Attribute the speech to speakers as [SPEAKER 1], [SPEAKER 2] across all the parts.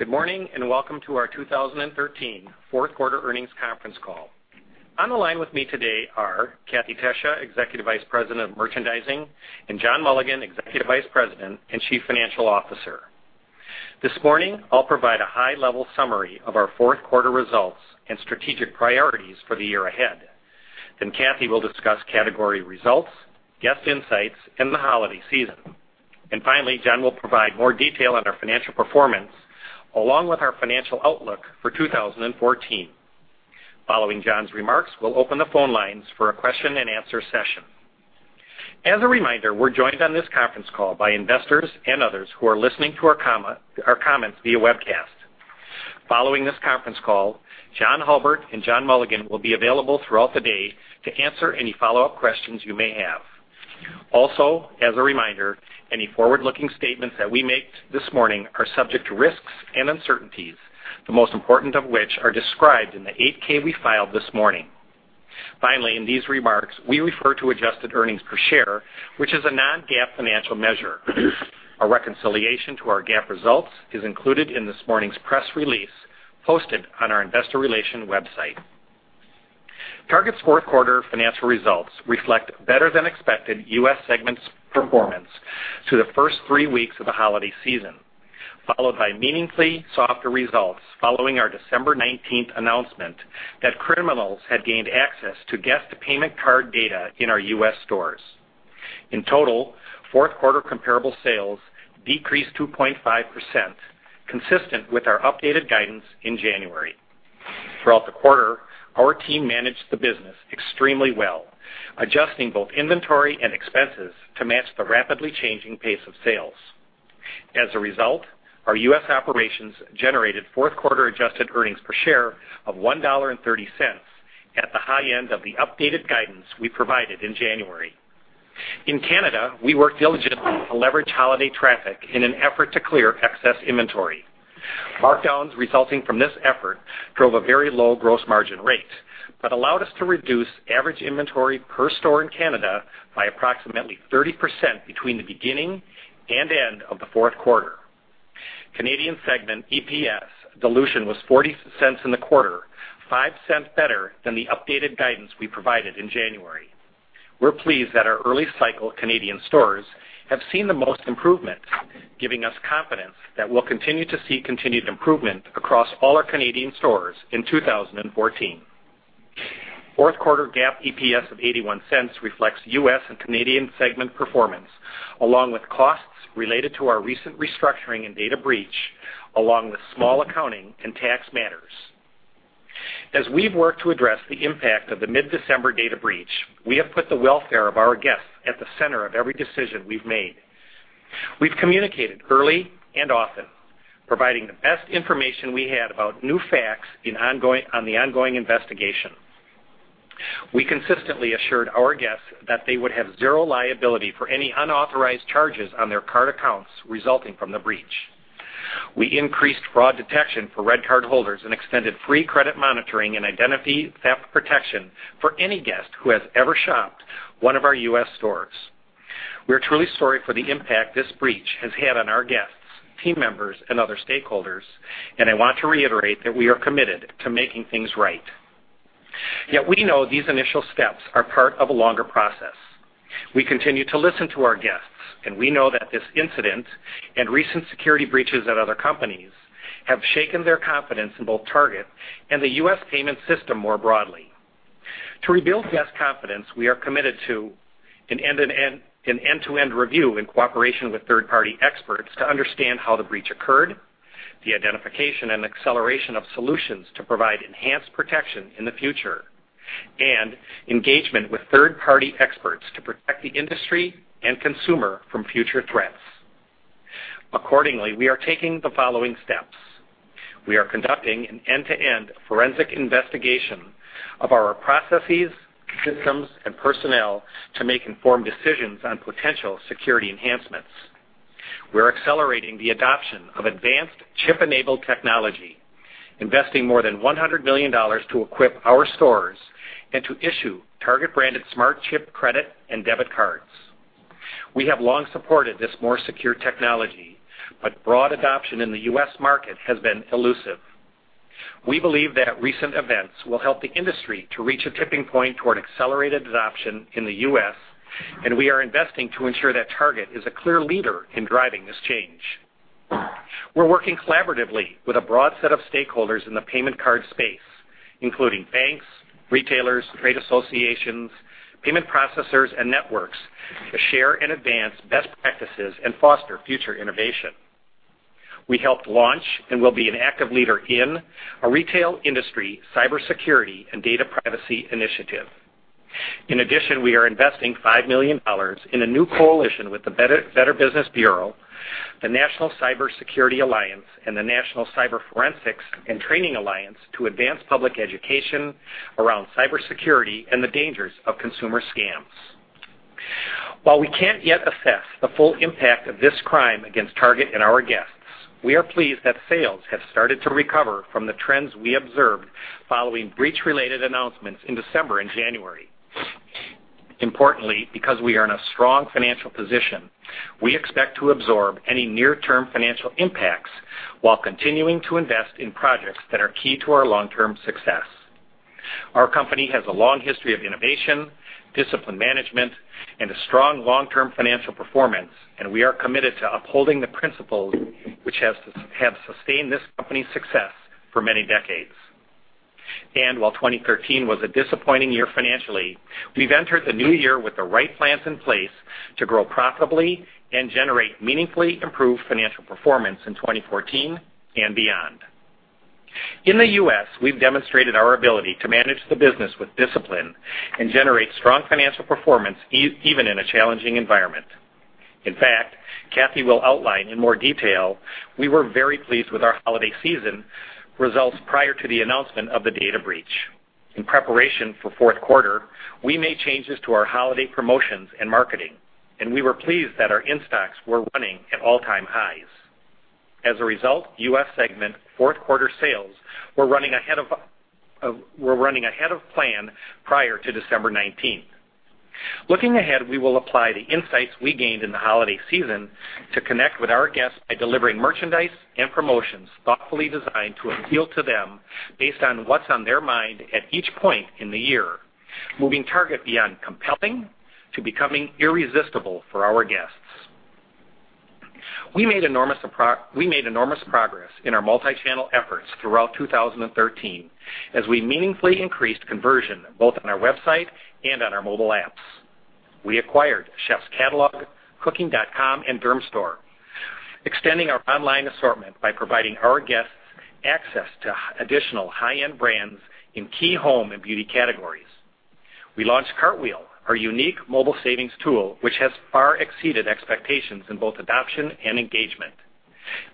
[SPEAKER 1] Good morning, and welcome to our 2013 fourth quarter earnings conference call. On the line with me today are Kathee Tesija, Executive Vice President of Merchandising, and John Mulligan, Executive Vice President and Chief Financial Officer. This morning, I'll provide a high-level summary of our fourth quarter results and strategic priorities for the year ahead. Kathee will discuss category results, guest insights, and the holiday season. Finally, John will provide more detail on our financial performance, along with our financial outlook for 2014. Following John's remarks, we'll open the phone lines for a question and answer session. As a reminder, we're joined on this conference call by investors and others who are listening to our comments via webcast. Following this conference call, John Hulbert and John Mulligan will be available throughout the day to answer any follow-up questions you may have. As a reminder, any forward-looking statements that we make this morning are subject to risks and uncertainties, the most important of which are described in the 8-K we filed this morning. In these remarks, we refer to adjusted earnings per share, which is a non-GAAP financial measure. A reconciliation to our GAAP results is included in this morning's press release posted on our investor relations website. Target's fourth quarter financial results reflect better-than-expected U.S. segments performance through the first three weeks of the holiday season, followed by meaningfully softer results following our December 19th announcement that criminals had gained access to guest payment card data in our U.S. stores. In total, fourth quarter comparable sales decreased 2.5%, consistent with our updated guidance in January. Throughout the quarter, our team managed the business extremely well, adjusting both inventory and expenses to match the rapidly changing pace of sales. Our U.S. operations generated fourth quarter-adjusted earnings per share of $1.30 at the high end of the updated guidance we provided in January. In Canada, we worked diligently to leverage holiday traffic in an effort to clear excess inventory. Markdowns resulting from this effort drove a very low gross margin rate but allowed us to reduce average inventory per store in Canada by approximately 30% between the beginning and end of the fourth quarter. Canadian segment EPS dilution was $0.40 in the quarter, $0.05 better than the updated guidance we provided in January. We're pleased that our early cycle Canadian stores have seen the most improvement, giving us confidence that we'll continue to see continued improvement across all our Canadian stores in 2014. Fourth quarter GAAP EPS of $0.81 reflects U.S. and Canadian segment performance, along with costs related to our recent restructuring and data breach, along with small accounting and tax matters. As we've worked to address the impact of the mid-December data breach, we have put the welfare of our guests at the center of every decision we've made. We've communicated early and often, providing the best information we had about new facts on the ongoing investigation. We consistently assured our guests that they would have zero liability for any unauthorized charges on their card accounts resulting from the breach. We increased fraud detection for REDcard holders and extended free credit monitoring and identity theft protection for any guest who has ever shopped one of our U.S. stores. We're truly sorry for the impact this breach has had on our guests, team members, and other stakeholders, and I want to reiterate that we are committed to making things right. We know these initial steps are part of a longer process. We continue to listen to our guests, and we know that this incident, and recent security breaches at other companies, have shaken their confidence in both Target and the U.S. payment system more broadly. To rebuild guest confidence, we are committed to an end-to-end review in cooperation with third-party experts to understand how the breach occurred, the identification and acceleration of solutions to provide enhanced protection in the future, and engagement with third-party experts to protect the industry and consumer from future threats. Accordingly, we are taking the following steps. We are conducting an end-to-end forensic investigation of our processes, systems, and personnel to make informed decisions on potential security enhancements. We're accelerating the adoption of advanced chip-enabled technology, investing more than $100 million to equip our stores and to issue Target-branded smart chip credit and debit cards. We have long supported this more secure technology, but broad adoption in the U.S. market has been elusive. We believe that recent events will help the industry to reach a tipping point toward accelerated adoption in the U.S., and we are investing to ensure that Target is a clear leader in driving this change. We're working collaboratively with a broad set of stakeholders in the payment card space, including banks, retailers, trade associations, payment processors, and networks to share and advance best practices and foster future innovation. We helped launch and will be an active leader in a retail industry cybersecurity and data privacy initiative. In addition, we are investing $5 million in a new coalition with the Better Business Bureau, the National Cybersecurity Alliance, and the National Cyber-Forensics and Training Alliance to advance public education around cybersecurity and the dangers of consumer scams. While we can't yet assess the full impact of this crime against Target and our guests, we are pleased that sales have started to recover from the trends we observed following breach-related announcements in December and January. Importantly, because we are in a strong financial position, we expect to absorb any near-term financial impacts while continuing to invest in projects that are key to our long-term success. Our company has a long history of innovation, disciplined management, and a strong long-term financial performance, and we are committed to upholding the principles which have sustained this company's success for many decades. While 2013 was a disappointing year financially, we've entered the new year with the right plans in place to grow profitably and generate meaningfully improved financial performance in 2014 and beyond. In the U.S., we've demonstrated our ability to manage the business with discipline and generate strong financial performance even in a challenging environment. In fact, Kathee will outline in more detail, we were very pleased with our holiday season results prior to the announcement of the data breach. In preparation for fourth quarter, we made changes to our holiday promotions and marketing, and we were pleased that our in-stocks were running at all-time highs. As a result, U.S. segment fourth quarter sales were running ahead of plan prior to December 19th. Looking ahead, we will apply the insights we gained in the holiday season to connect with our guests by delivering merchandise and promotions thoughtfully designed to appeal to them based on what's on their mind at each point in the year, moving Target beyond compelling to becoming irresistible for our guests. We made enormous progress in our multi-channel efforts throughout 2013, as we meaningfully increased conversion both on our website and on our mobile apps. We acquired CHEFS Catalog, Cooking.com, and Dermstore, extending our online assortment by providing our guests access to additional high-end brands in key home and beauty categories. We launched Cartwheel, our unique mobile savings tool, which has far exceeded expectations in both adoption and engagement.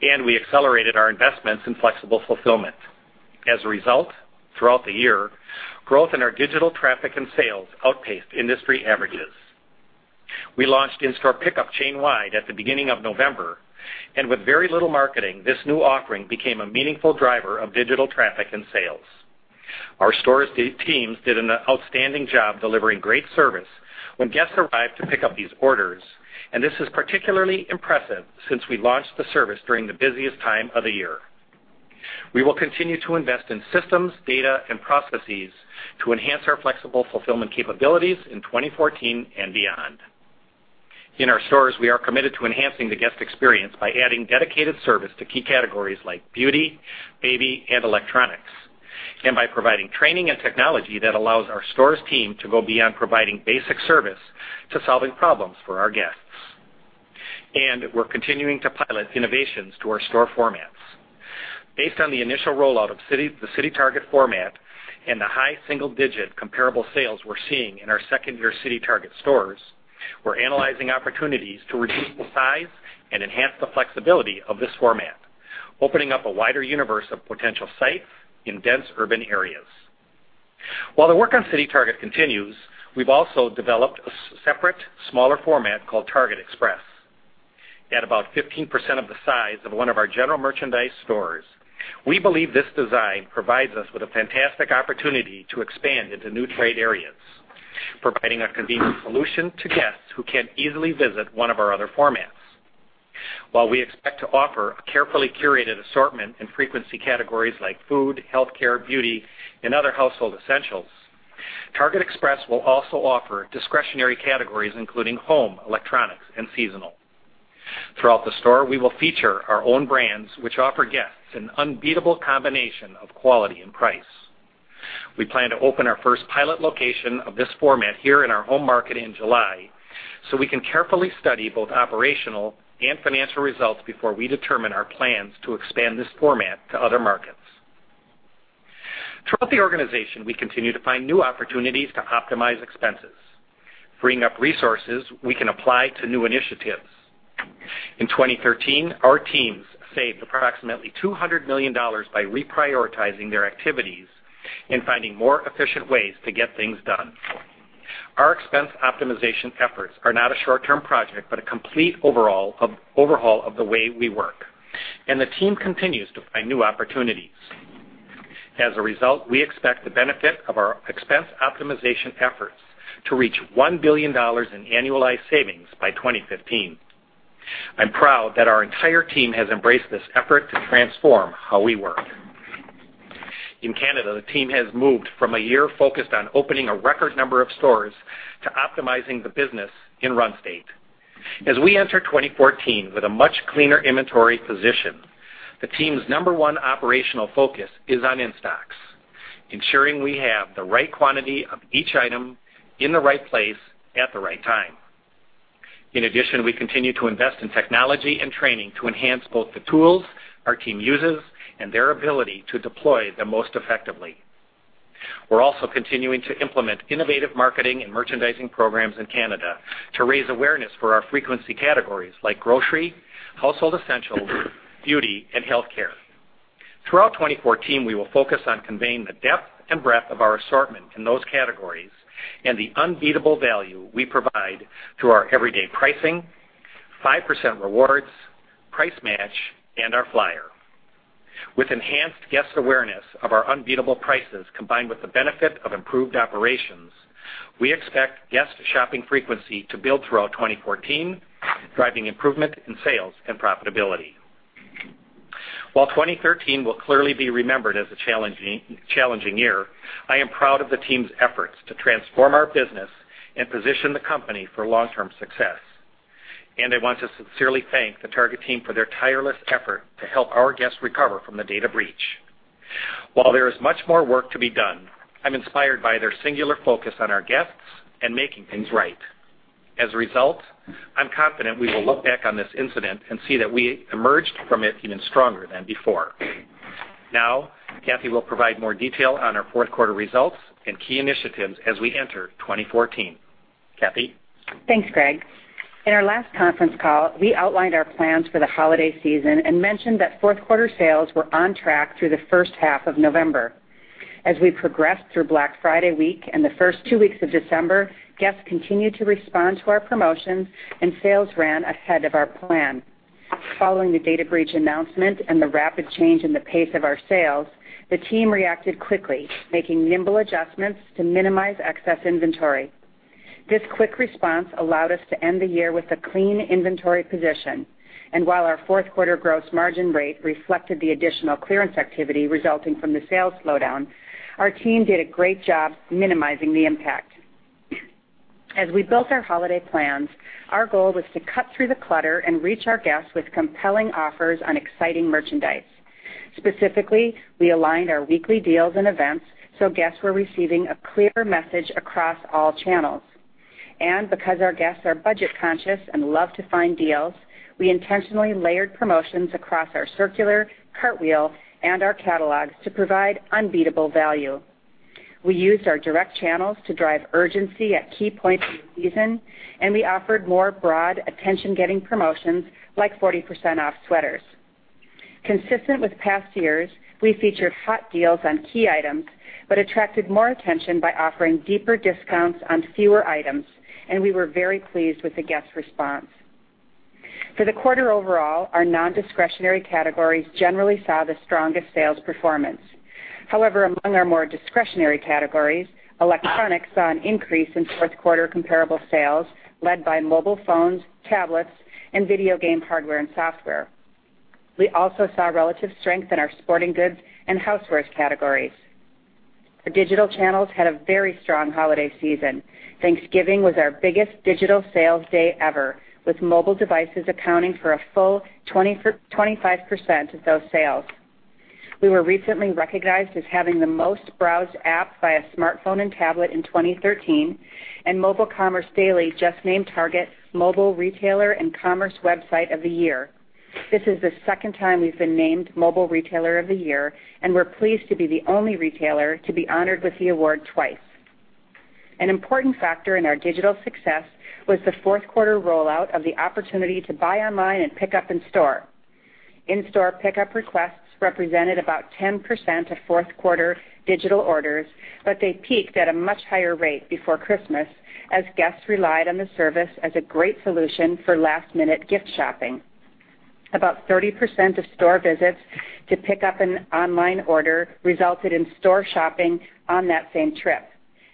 [SPEAKER 1] We accelerated our investments in flexible fulfillment. As a result, throughout the year, growth in our digital traffic and sales outpaced industry averages. We launched in-store pickup chain-wide at the beginning of November, and with very little marketing, this new offering became a meaningful driver of digital traffic and sales. Our stores teams did an outstanding job delivering great service when guests arrived to pick up these orders, and this is particularly impressive since we launched the service during the busiest time of the year. We will continue to invest in systems, data, and processes to enhance our flexible fulfillment capabilities in 2014 and beyond. In our stores, we are committed to enhancing the guest experience by adding dedicated service to key categories like beauty, baby, and electronics, and by providing training and technology that allows our stores team to go beyond providing basic service to solving problems for our guests. We're continuing to pilot innovations to our store formats. Based on the initial rollout of the CityTarget format and the high single-digit comparable sales we're seeing in our second-year CityTarget stores, we're analyzing opportunities to reduce the size and enhance the flexibility of this format, opening up a wider universe of potential sites in dense urban areas. While the work on CityTarget continues, we've also developed a separate, smaller format called TargetExpress. At about 15% of the size of one of our general merchandise stores, we believe this design provides us with a fantastic opportunity to expand into new trade areas, providing a convenient solution to guests who can't easily visit one of our other formats. While we expect to offer a carefully curated assortment in frequency categories like food, healthcare, beauty, and other household essentials, TargetExpress will also offer discretionary categories, including home, electronics, and seasonal. Throughout the store, we will feature our own brands, which offer guests an unbeatable combination of quality and price. We plan to open our first pilot location of this format here in our home market in July so we can carefully study both operational and financial results before we determine our plans to expand this format to other markets. Throughout the organization, we continue to find new opportunities to optimize expenses, freeing up resources we can apply to new initiatives. In 2013, our teams saved approximately $200 million by reprioritizing their activities and finding more efficient ways to get things done. Our expense optimization efforts are not a short-term project, but a complete overhaul of the way we work, and the team continues to find new opportunities. As a result, we expect the benefit of our expense optimization efforts to reach $1 billion in annualized savings by 2015. I'm proud that our entire team has embraced this effort to transform how we work. In Canada, the team has moved from a year focused on opening a record number of stores to optimizing the business in run state. As we enter 2014 with a much cleaner inventory position, the team's number 1 operational focus is on in-stocks, ensuring we have the right quantity of each item in the right place at the right time. In addition, we continue to invest in technology and training to enhance both the tools our team uses and their ability to deploy them most effectively. We're also continuing to implement innovative marketing and merchandising programs in Canada to raise awareness for our frequency categories like grocery, household essentials, beauty, and healthcare. Throughout 2014, we will focus on conveying the depth and breadth of our assortment in those categories and the unbeatable value we provide through our everyday pricing, 5% rewards, price match, and our flyer. With enhanced guest awareness of our unbeatable prices, combined with the benefit of improved operations, we expect guest shopping frequency to build throughout 2014, driving improvement in sales and profitability. While 2013 will clearly be remembered as a challenging year, I am proud of the team's efforts to transform our business and position the company for long-term success. I want to sincerely thank the Target team for their tireless effort to help our guests recover from the data breach. While there is much more work to be done, I'm inspired by their singular focus on our guests and making things right. As a result, I'm confident we will look back on this incident and see that we emerged from it even stronger than before. Now, Kathee will provide more detail on our fourth quarter results and key initiatives as we enter 2014. Kathee?
[SPEAKER 2] Thanks, Gregg. In our last conference call, we outlined our plans for the holiday season and mentioned that fourth quarter sales were on track through the first half of November. As we progressed through Black Friday week and the first 2 weeks of December, guests continued to respond to our promotions, and sales ran ahead of our plan. Following the data breach announcement and the rapid change in the pace of our sales, the team reacted quickly, making nimble adjustments to minimize excess inventory. This quick response allowed us to end the year with a clean inventory position. While our fourth-quarter gross margin rate reflected the additional clearance activity resulting from the sales slowdown, our team did a great job minimizing the impact. As we built our holiday plans, our goal was to cut through the clutter and reach our guests with compelling offers on exciting merchandise. Specifically, we aligned our weekly deals and events so guests were receiving a clearer message across all channels. Because our guests are budget-conscious and love to find deals, we intentionally layered promotions across our circular, Cartwheel, and our catalogs to provide unbeatable value. We used our direct channels to drive urgency at key points of the season. We offered more broad, attention-getting promotions, like 40% off sweaters. Consistent with past years, we featured hot deals on key items but attracted more attention by offering deeper discounts on fewer items. We were very pleased with the guest response. For the quarter overall, our nondiscretionary categories generally saw the strongest sales performance. However, among our more discretionary categories, electronics saw an increase in fourth-quarter comparable sales, led by mobile phones, tablets, and video game hardware and software. We also saw relative strength in our sporting goods and housewares categories. The digital channels had a very strong holiday season. Thanksgiving was our biggest digital sales day ever, with mobile devices accounting for a full 25% of those sales. We were recently recognized as having the most-browsed app via smartphone and tablet in 2013. Mobile Commerce Daily just named Target Mobile Retailer and Commerce Website of the Year. This is the second time we've been named Mobile Retailer of the Year. We're pleased to be the only retailer to be honored with the award twice. An important factor in our digital success was the fourth-quarter rollout of the opportunity to buy online and pick up in store. In-store pickup requests represented about 10% of fourth-quarter digital orders, but they peaked at a much higher rate before Christmas as guests relied on the service as a great solution for last-minute gift shopping. About 30% of store visits to pick up an online order resulted in store shopping on that same trip.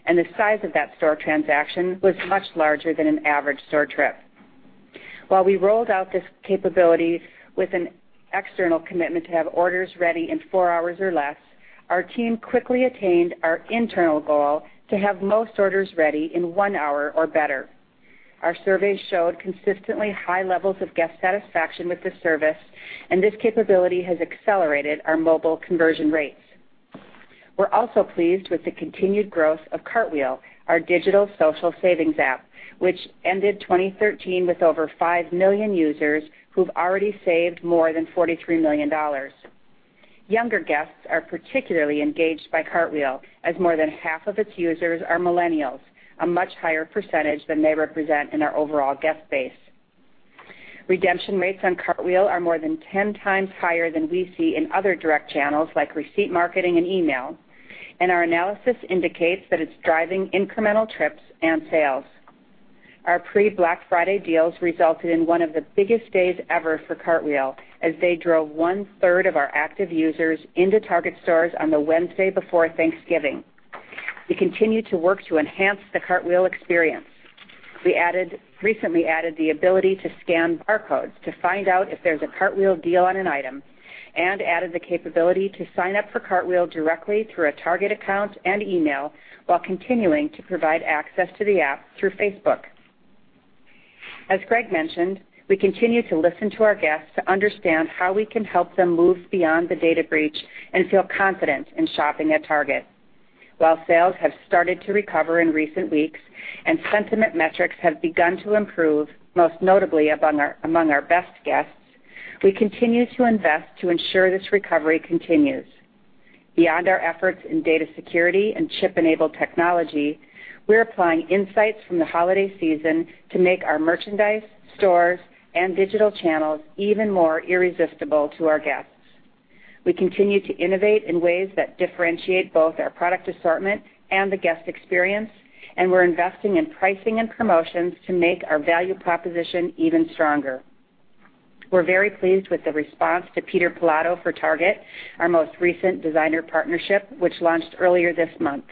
[SPEAKER 2] The size of that store transaction was much larger than an average store trip. While we rolled out this capability with an external commitment to have orders ready in four hours or less, our team quickly attained our internal goal to have most orders ready in one hour or better. Our surveys showed consistently high levels of guest satisfaction with the service. This capability has accelerated our mobile conversion rates. We're also pleased with the continued growth of Cartwheel, our digital social savings app, which ended 2013 with over 5 million users who've already saved more than $43 million. Younger guests are particularly engaged by Cartwheel, as more than half of its users are millennials, a much higher percentage than they represent in our overall guest base. Redemption rates on Cartwheel are more than 10 times higher than we see in other direct channels, like receipt marketing and email. Our analysis indicates that it's driving incremental trips and sales. Our pre-Black Friday deals resulted in one of the biggest days ever for Cartwheel, as they drove one-third of our active users into Target stores on the Wednesday before Thanksgiving. We continue to work to enhance the Cartwheel experience. We recently added the ability to scan barcodes to find out if there's a Cartwheel deal on an item and added the capability to sign up for Cartwheel directly through a Target account and email while continuing to provide access to the app through Facebook. As Greg mentioned, we continue to listen to our guests to understand how we can help them move beyond the data breach and feel confident in shopping at Target. While sales have started to recover in recent weeks and sentiment metrics have begun to improve, most notably among our best guests, we continue to invest to ensure this recovery continues. Beyond our efforts in data security and chip-enabled technology, we're applying insights from the holiday season to make our merchandise, stores, and digital channels even more irresistible to our guests. We continue to innovate in ways that differentiate both our product assortment and the guest experience, and we're investing in pricing and promotions to make our value proposition even stronger. We're very pleased with the response to Peter Pilotto for Target, our most recent designer partnership, which launched earlier this month.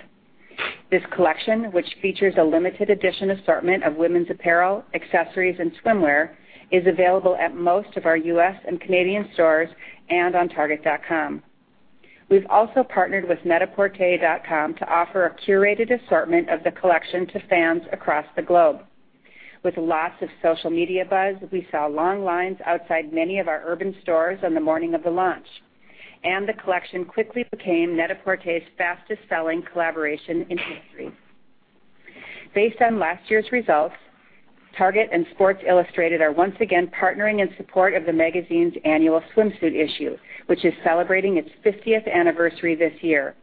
[SPEAKER 2] This collection, which features a limited edition assortment of women's apparel, accessories, and swimwear, is available at most of our U.S. and Canadian stores and on target.com. We've also partnered with net-a-porter.com to offer a curated assortment of the collection to fans across the globe. With lots of social media buzz, we saw long lines outside many of our urban stores on the morning of the launch, and the collection quickly became NET-A-PORTER's fastest-selling collaboration in history. Based on last year's results, Target and Sports Illustrated are once again partnering in support of the magazine's annual swimsuit issue, which is celebrating its 50th anniversary this year.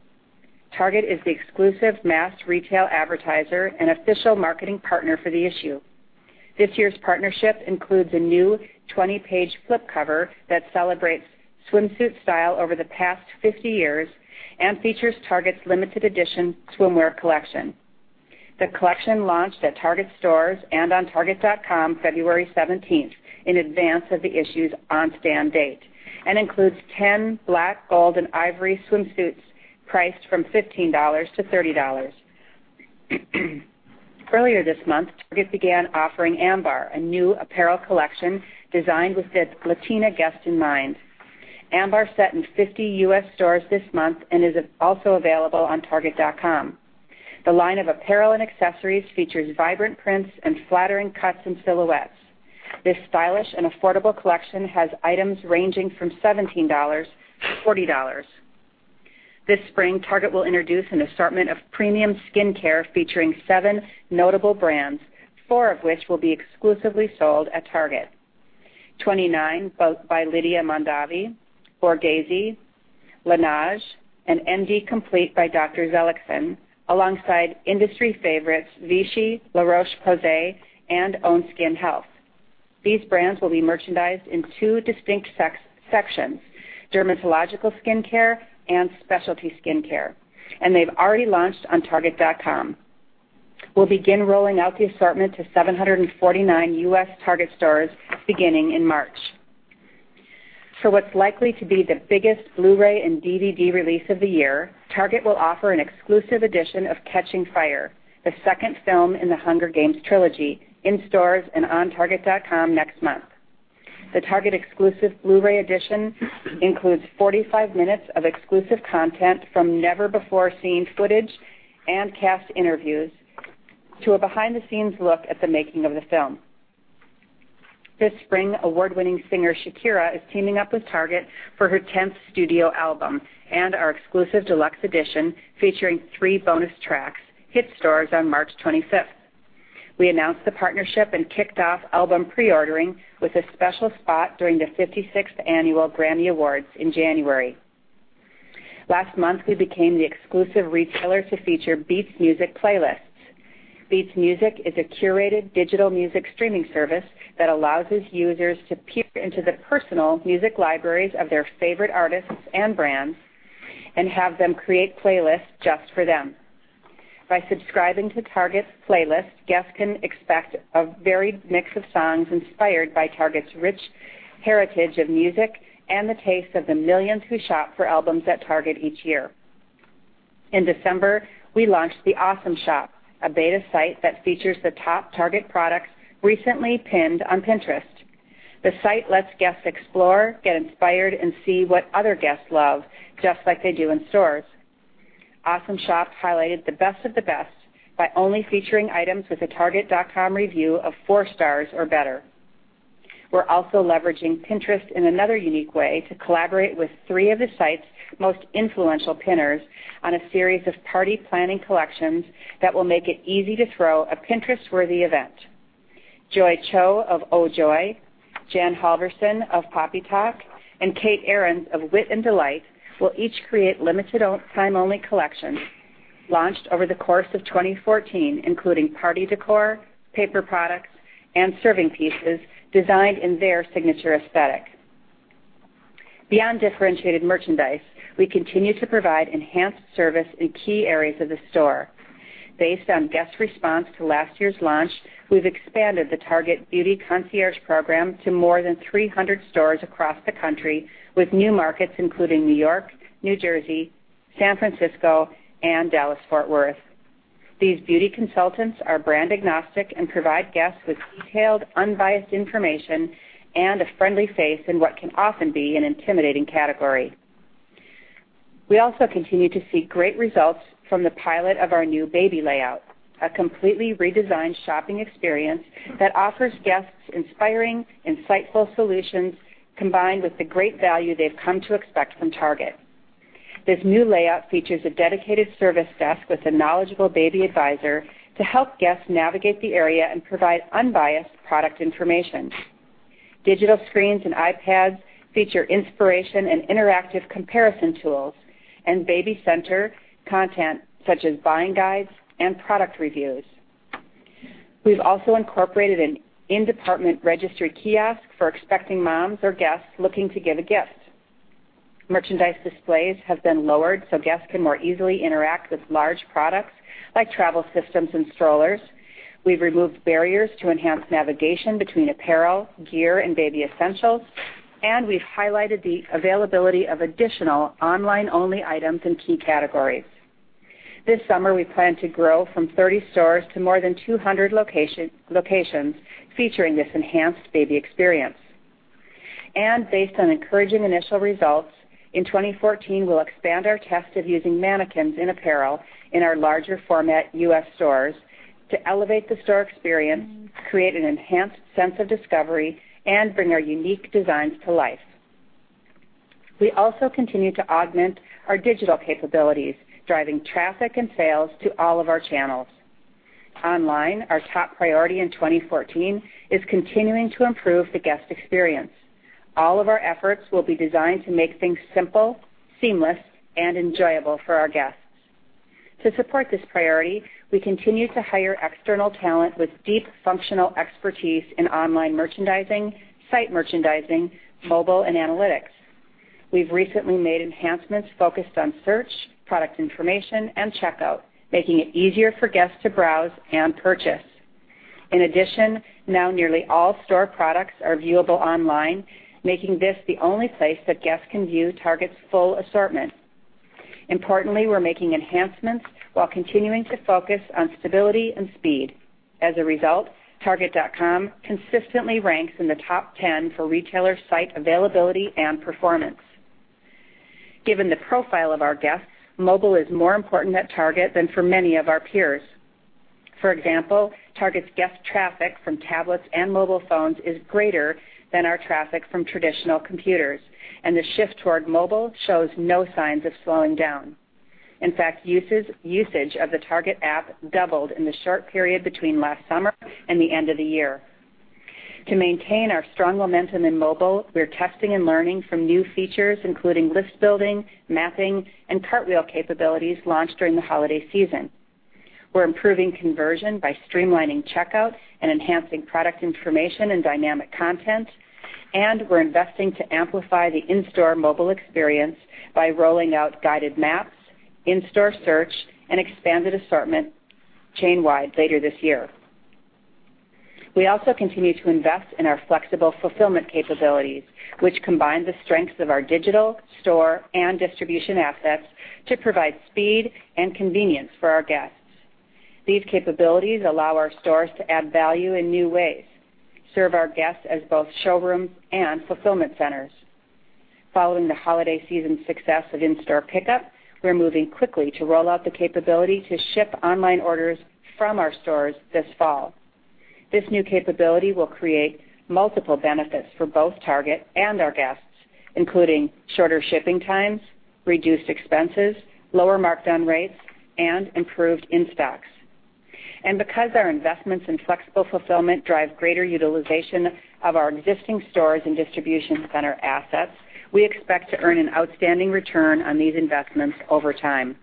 [SPEAKER 2] Target is the exclusive mass retail advertiser and official marketing partner for the issue. This year's partnership includes a new 20-page flip cover that celebrates swimsuit style over the past 50 years and features Target's limited edition swimwear collection. The collection launched at Target stores and on target.com February 17th in advance of the issue's on-stand date and includes 10 black, gold, and ivory swimsuits priced from $15 to $30. Earlier this month, Target began offering Ambar, a new apparel collection designed with its Latina guest in mind. Ambar sat in 50 U.S. stores this month and is also available on target.com. The line of apparel and accessories features vibrant prints and flattering cuts and silhouettes. This stylish and affordable collection has items ranging from $17 to $40. This spring, Target will introduce an assortment of premium skincare featuring seven notable brands, four of which will be exclusively sold at Target. 29 by Lydia Mondavi, Borghese, Laneige, and MD Complete by Dr. Zelickson, alongside industry favorites, Vichy, La Roche-Posay, and Own Skin Health. These brands will be merchandised in two distinct sections: dermatological skincare and specialty skincare, and they've already launched on target.com. We'll begin rolling out the assortment to 749 U.S. Target stores beginning in March. For what's likely to be the biggest Blu-ray and DVD release of the year, Target will offer an exclusive edition of Catching Fire, the second film in The Hunger Games trilogy, in stores and on target.com next month. The Target exclusive Blu-ray edition includes 45 minutes of exclusive content from never-before-seen footage and cast interviews, to a behind-the-scenes look at the making of the film. This spring, award-winning singer Shakira is teaming up with Target for her 10th studio album, and our exclusive deluxe edition featuring three bonus tracks hit stores on March 25th. We announced the partnership and kicked off album pre-ordering with a special spot during the 56th annual Grammy Awards in January. Last month, we became the exclusive retailer to feature Beats Music playlists. Beats Music is a curated digital music streaming service that allows its users to peer into the personal music libraries of their favorite artists and brands and have them create playlists just for them. By subscribing to Target Playlists, guests can expect a varied mix of songs inspired by Target's rich heritage of music and the taste of the millions who shop for albums at Target each year. In December, we launched the Awesome Shop, a beta site that features the top Target products recently pinned on Pinterest. The site lets guests explore, get inspired, and see what other guests love, just like they do in stores. Awesome Shop highlighted the best of the best by only featuring items with a target.com review of four stars or better. We're also leveraging Pinterest in another unique way to collaborate with three of the site's most influential pinners on a series of party planning collections that will make it easy to throw a Pinterest-worthy event. Joy Cho of Oh Joy!, Jan Halvarson of Poppytalk, and Kate Arends of Wit & Delight will each create limited time-only collections launched over the course of 2014, including party decor, paper products, and serving pieces designed in their signature aesthetic. Beyond differentiated merchandise, we continue to provide enhanced service in key areas of the store. Based on guest response to last year's launch, we've expanded the Target Beauty Concierge program to more than 300 stores across the country, with new markets including New York, New Jersey, San Francisco, and Dallas-Fort Worth. These beauty consultants are brand agnostic and provide guests with detailed, unbiased information and a friendly face in what can often be an intimidating category. We also continue to see great results from the pilot of our new baby layout, a completely redesigned shopping experience that offers guests inspiring, insightful solutions, combined with the great value they've come to expect from Target. This new layout features a dedicated service desk with a knowledgeable baby advisor to help guests navigate the area and provide unbiased product information. Digital screens and iPads feature inspiration and interactive comparison tools and BabyCenter content such as buying guides and product reviews. We've also incorporated an in-department registry kiosk for expecting moms or guests looking to give a gift. Merchandise displays have been lowered so guests can more easily interact with large products like travel systems and strollers. We've removed barriers to enhance navigation between apparel, gear, and baby essentials. We've highlighted the availability of additional online-only items in key categories. This summer, we plan to grow from 30 stores to more than 200 locations featuring this enhanced baby experience. Based on encouraging initial results, in 2014, we'll expand our test of using mannequins in apparel in our larger format U.S. stores to elevate the store experience, create an enhanced sense of discovery, and bring our unique designs to life. We also continue to augment our digital capabilities, driving traffic and sales to all of our channels. Online, our top priority in 2014 is continuing to improve the guest experience. All of our efforts will be designed to make things simple, seamless, and enjoyable for our guests. To support this priority, we continue to hire external talent with deep functional expertise in online merchandising, site merchandising, mobile, and analytics. We've recently made enhancements focused on search, product information, and checkout, making it easier for guests to browse and purchase. In addition, now nearly all store products are viewable online, making this the only place that guests can view Target's full assortment. Importantly, we're making enhancements while continuing to focus on stability and speed. As a result, target.com consistently ranks in the top 10 for retailer site availability and performance. Given the profile of our guests, mobile is more important at Target than for many of our peers. For example, Target's guest traffic from tablets and mobile phones is greater than our traffic from traditional computers, and the shift toward mobile shows no signs of slowing down. In fact, usage of the Target app doubled in the short period between last summer and the end of the year. To maintain our strong momentum in mobile, we're testing and learning from new features, including list building, mapping, and Cartwheel capabilities launched during the holiday season. We're improving conversion by streamlining checkout and enhancing product information and dynamic content. We're investing to amplify the in-store mobile experience by rolling out guided maps, in-store search, and expanded assortment chain-wide later this year. We also continue to invest in our flexible fulfillment capabilities, which combine the strengths of our digital, store, and distribution assets to provide speed and convenience for our guests. These capabilities allow our stores to add value in new ways, serve our guests as both showrooms and fulfillment centers. Following the holiday season success of in-store pickup, we're moving quickly to roll out the capability to ship online orders from our stores this fall. This new capability will create multiple benefits for both Target and our guests, including shorter shipping times, reduced expenses, lower markdown rates, and improved in-stocks. Because our investments in flexible fulfillment drive greater utilization of our existing stores and distribution center assets, we expect to earn an outstanding return on these investments over time.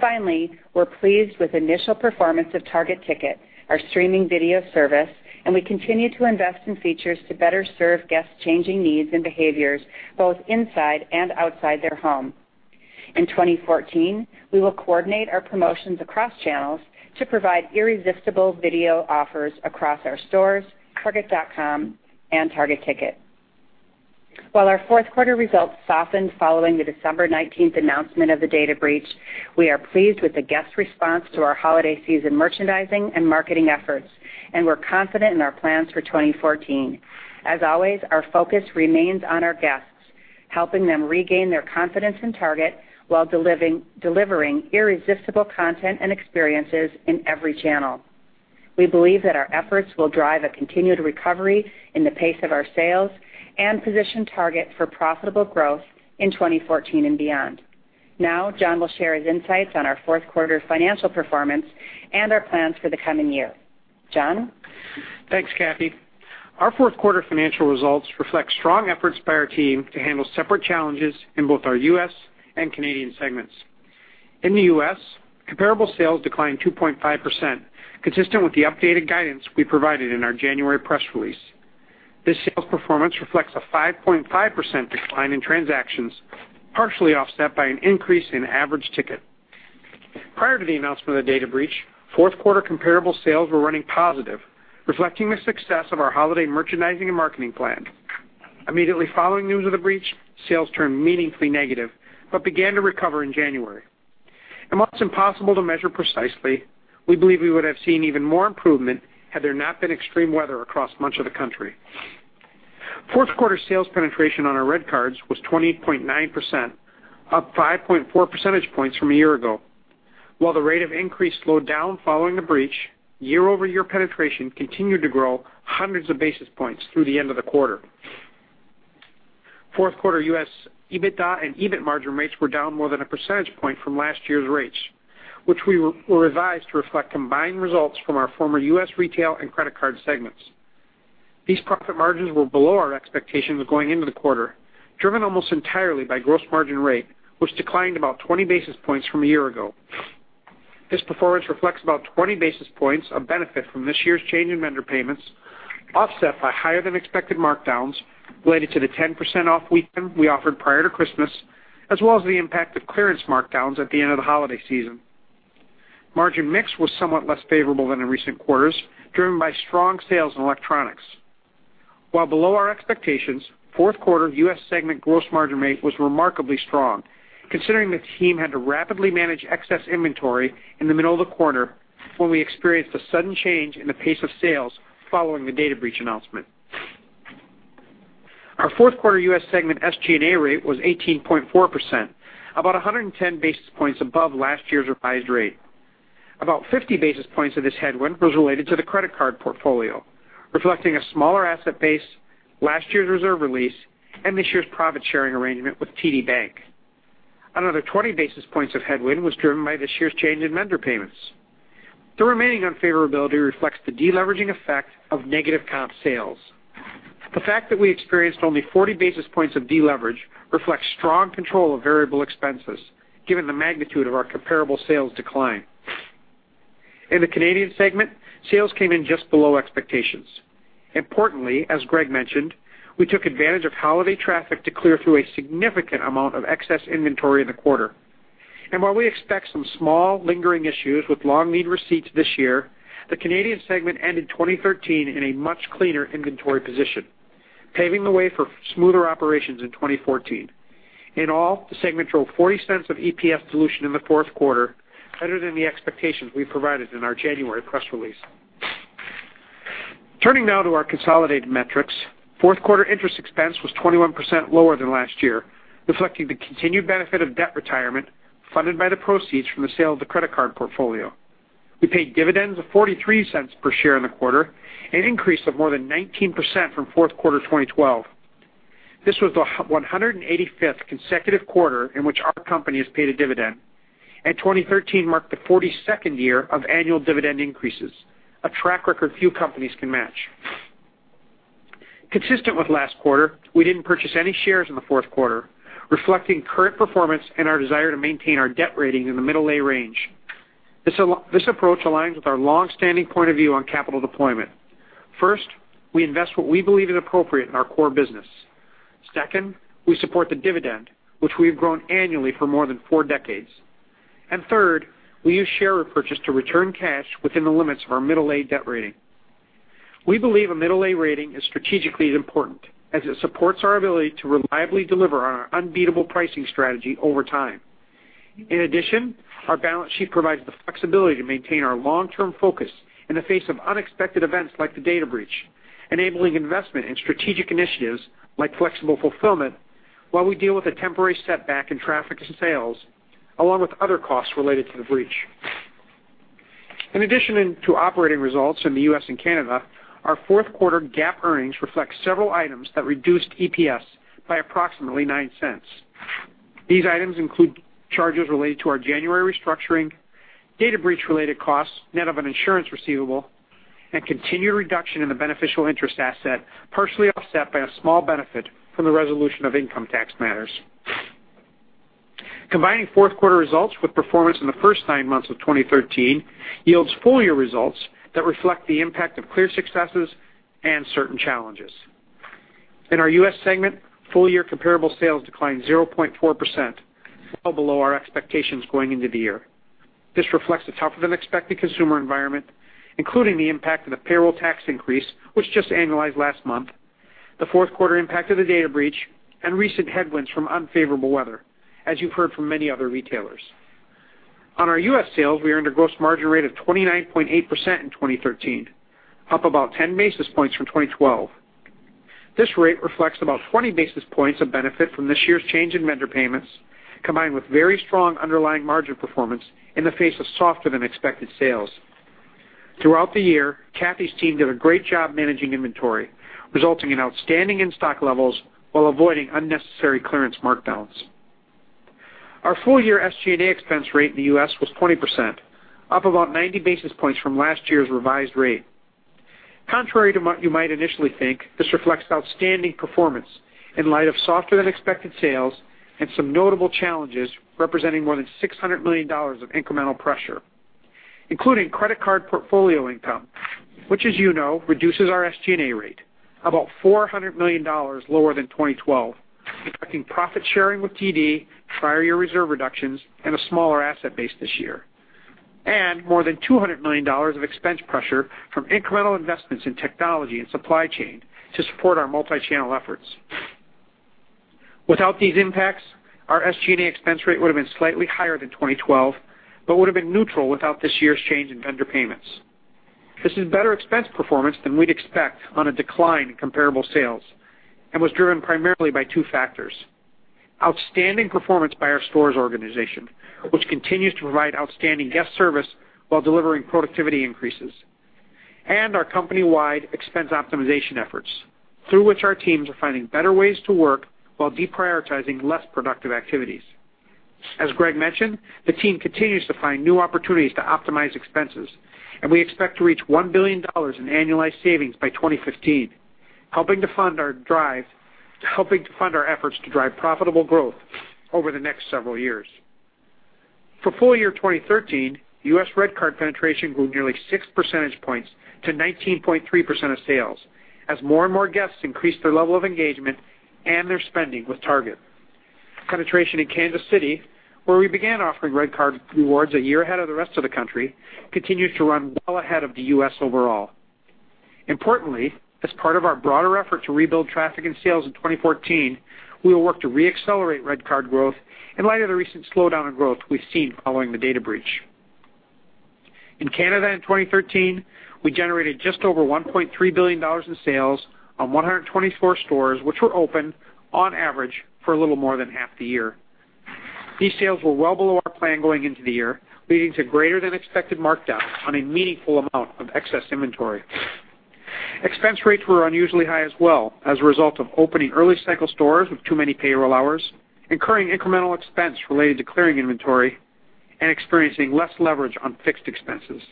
[SPEAKER 2] Finally, we're pleased with initial performance of Target Ticket, our streaming video service, and we continue to invest in features to better serve guests' changing needs and behaviors, both inside and outside their home. In 2014, we will coordinate our promotions across channels to provide irresistible video offers across our stores, target.com, and Target Ticket. While our fourth quarter results softened following the December 19th announcement of the data breach, we are pleased with the guest response to our holiday season merchandising and marketing efforts, and we're confident in our plans for 2014. As always, our focus remains on our guests, helping them regain their confidence in Target while delivering irresistible content and experiences in every channel. We believe that our efforts will drive a continued recovery in the pace of our sales and position Target for profitable growth in 2014 and beyond. Now, John will share his insights on our fourth quarter financial performance and our plans for the coming year. John?
[SPEAKER 3] Thanks, Kathee. Our fourth quarter financial results reflect strong efforts by our team to handle separate challenges in both our U.S. and Canadian segments. In the U.S., comparable sales declined 2.5%, consistent with the updated guidance we provided in our January press release. This sales performance reflects a 5.5% decline in transactions, partially offset by an increase in average ticket. Prior to the announcement of the data breach, fourth quarter comparable sales were running positive, reflecting the success of our holiday merchandising and marketing plan. Immediately following news of the breach, sales turned meaningfully negative, but began to recover in January. While it's impossible to measure precisely, we believe we would have seen even more improvement had there not been extreme weather across much of the country. Fourth quarter sales penetration on our REDcards was 20.9%, up 5.4 percentage points from a year ago. While the rate of increase slowed down following the breach, year-over-year penetration continued to grow hundreds of basis points through the end of the quarter. Fourth quarter U.S. EBITDA and EBIT margin rates were down more than a percentage point from last year's rates, which were revised to reflect combined results from our former U.S. retail and credit card segments. These profit margins were below our expectations going into the quarter, driven almost entirely by gross margin rate, which declined about 20 basis points from a year ago. This performance reflects about 20 basis points of benefit from this year's change in vendor payments, offset by higher than expected markdowns related to the 10% off weekend we offered prior to Christmas, as well as the impact of clearance markdowns at the end of the holiday season. Margin mix was somewhat less favorable than in recent quarters, driven by strong sales in electronics. While below our expectations, fourth quarter U.S. segment gross margin rate was remarkably strong, considering the team had to rapidly manage excess inventory in the middle of the quarter when we experienced a sudden change in the pace of sales following the data breach announcement. Our fourth quarter U.S. segment SG&A rate was 18.4%, about 110 basis points above last year's revised rate. About 50 basis points of this headwind was related to the credit card portfolio, reflecting a smaller asset base, last year's reserve release, and this year's profit-sharing arrangement with TD Bank. Another 20 basis points of headwind was driven by this year's change in vendor payments. The remaining unfavorability reflects the de-leveraging effect of negative comp sales. The fact that we experienced only 40 basis points of de-leverage reflects strong control of variable expenses, given the magnitude of our comparable sales decline. In the Canadian segment, sales came in just below expectations. Importantly, as Greg mentioned, we took advantage of holiday traffic to clear through a significant amount of excess inventory in the quarter. While we expect some small lingering issues with long lead receipts this year, the Canadian segment ended 2013 in a much cleaner inventory position, paving the way for smoother operations in 2014. In all, the segment drove $0.40 of EPS dilution in the fourth quarter, better than the expectations we provided in our January press release. Turning now to our consolidated metrics. Fourth quarter interest expense was 21% lower than last year, reflecting the continued benefit of debt retirement funded by the proceeds from the sale of the credit card portfolio. We paid dividends of $0.43 per share in the quarter, an increase of more than 19% from fourth quarter 2012. This was the 185th consecutive quarter in which our company has paid a dividend, and 2013 marked the 42nd year of annual dividend increases, a track record few companies can match. Consistent with last quarter, we didn't purchase any shares in the fourth quarter, reflecting current performance and our desire to maintain our debt rating in the middle A range. This approach aligns with our long-standing point of view on capital deployment. First, we invest what we believe is appropriate in our core business. Second, we support the dividend, which we have grown annually for more than four decades. Third, we use share repurchase to return cash within the limits of our middle A debt rating. We believe a middle A rating is strategically important, as it supports our ability to reliably deliver on our unbeatable pricing strategy over time. In addition, our balance sheet provides the flexibility to maintain our long-term focus in the face of unexpected events like the data breach, enabling investment in strategic initiatives like flexible fulfillment while we deal with a temporary setback in traffic and sales, along with other costs related to the breach. In addition to operating results in the U.S. and Canada, our fourth quarter GAAP earnings reflect several items that reduced EPS by approximately $0.09. These items include charges related to our January restructuring, data breach-related costs net of an insurance receivable, and continued reduction in the beneficial interest asset, partially offset by a small benefit from the resolution of income tax matters. Combining fourth quarter results with performance in the first nine months of 2013 yields full year results that reflect the impact of clear successes and certain challenges. In our U.S. segment, full year comparable sales declined 0.4%, well below our expectations going into the year. This reflects a tougher than expected consumer environment, including the impact of the payroll tax increase, which just annualized last month, the fourth quarter impact of the data breach, and recent headwinds from unfavorable weather, as you've heard from many other retailers. On our U.S. sales, we earned a gross margin rate of 29.8% in 2013, up about 10 basis points from 2012. This rate reflects about 20 basis points of benefit from this year's change in vendor payments, combined with very strong underlying margin performance in the face of softer than expected sales. Throughout the year, Kathee's team did a great job managing inventory, resulting in outstanding in-stock levels while avoiding unnecessary clearance markdowns. Our full year SG&A expense rate in the U.S. was 20%, up about 90 basis points from last year's revised rate. Contrary to what you might initially think, this reflects outstanding performance in light of softer than expected sales and some notable challenges representing more than $600 million of incremental pressure. Including credit card portfolio income, which as you know, reduces our SG&A rate about $400 million lower than 2012, reflecting profit sharing with TD, prior year reserve reductions, and a smaller asset base this year. More than $200 million of expense pressure from incremental investments in technology and supply chain to support our multi-channel efforts. Without these impacts, our SG&A expense rate would have been slightly higher than 2012, but would have been neutral without this year's change in vendor payments. This is better expense performance than we'd expect on a decline in comparable sales and was driven primarily by two factors. Outstanding performance by our stores organization, which continues to provide outstanding guest service while delivering productivity increases. Our company-wide expense optimization efforts, through which our teams are finding better ways to work while deprioritizing less productive activities. As Greg mentioned, the team continues to find new opportunities to optimize expenses, and we expect to reach $1 billion in annualized savings by 2015. Helping to fund our efforts to drive profitable growth over the next several years. For full year 2013, U.S. REDcard penetration grew nearly 6 percentage points to 19.3% of sales, as more and more guests increased their level of engagement and their spending with Target. Penetration in Kansas City, where we began offering REDcard rewards a year ahead of the rest of the U.S. overall, continues to run well ahead of the U.S. overall. Importantly, as part of our broader effort to rebuild traffic and sales in 2014, we will work to re-accelerate REDcard growth in light of the recent slowdown in growth we've seen following the data breach. In Canada in 2013, we generated just over $1.3 billion in sales on 124 stores, which were open on average for a little more than half the year. These sales were well below our plan going into the year, leading to greater than expected markdowns on a meaningful amount of excess inventory. Expense rates were unusually high as well, as a result of opening early cycle stores with too many payroll hours, incurring incremental expense related to clearing inventory, and experiencing less leverage on fixed expenses.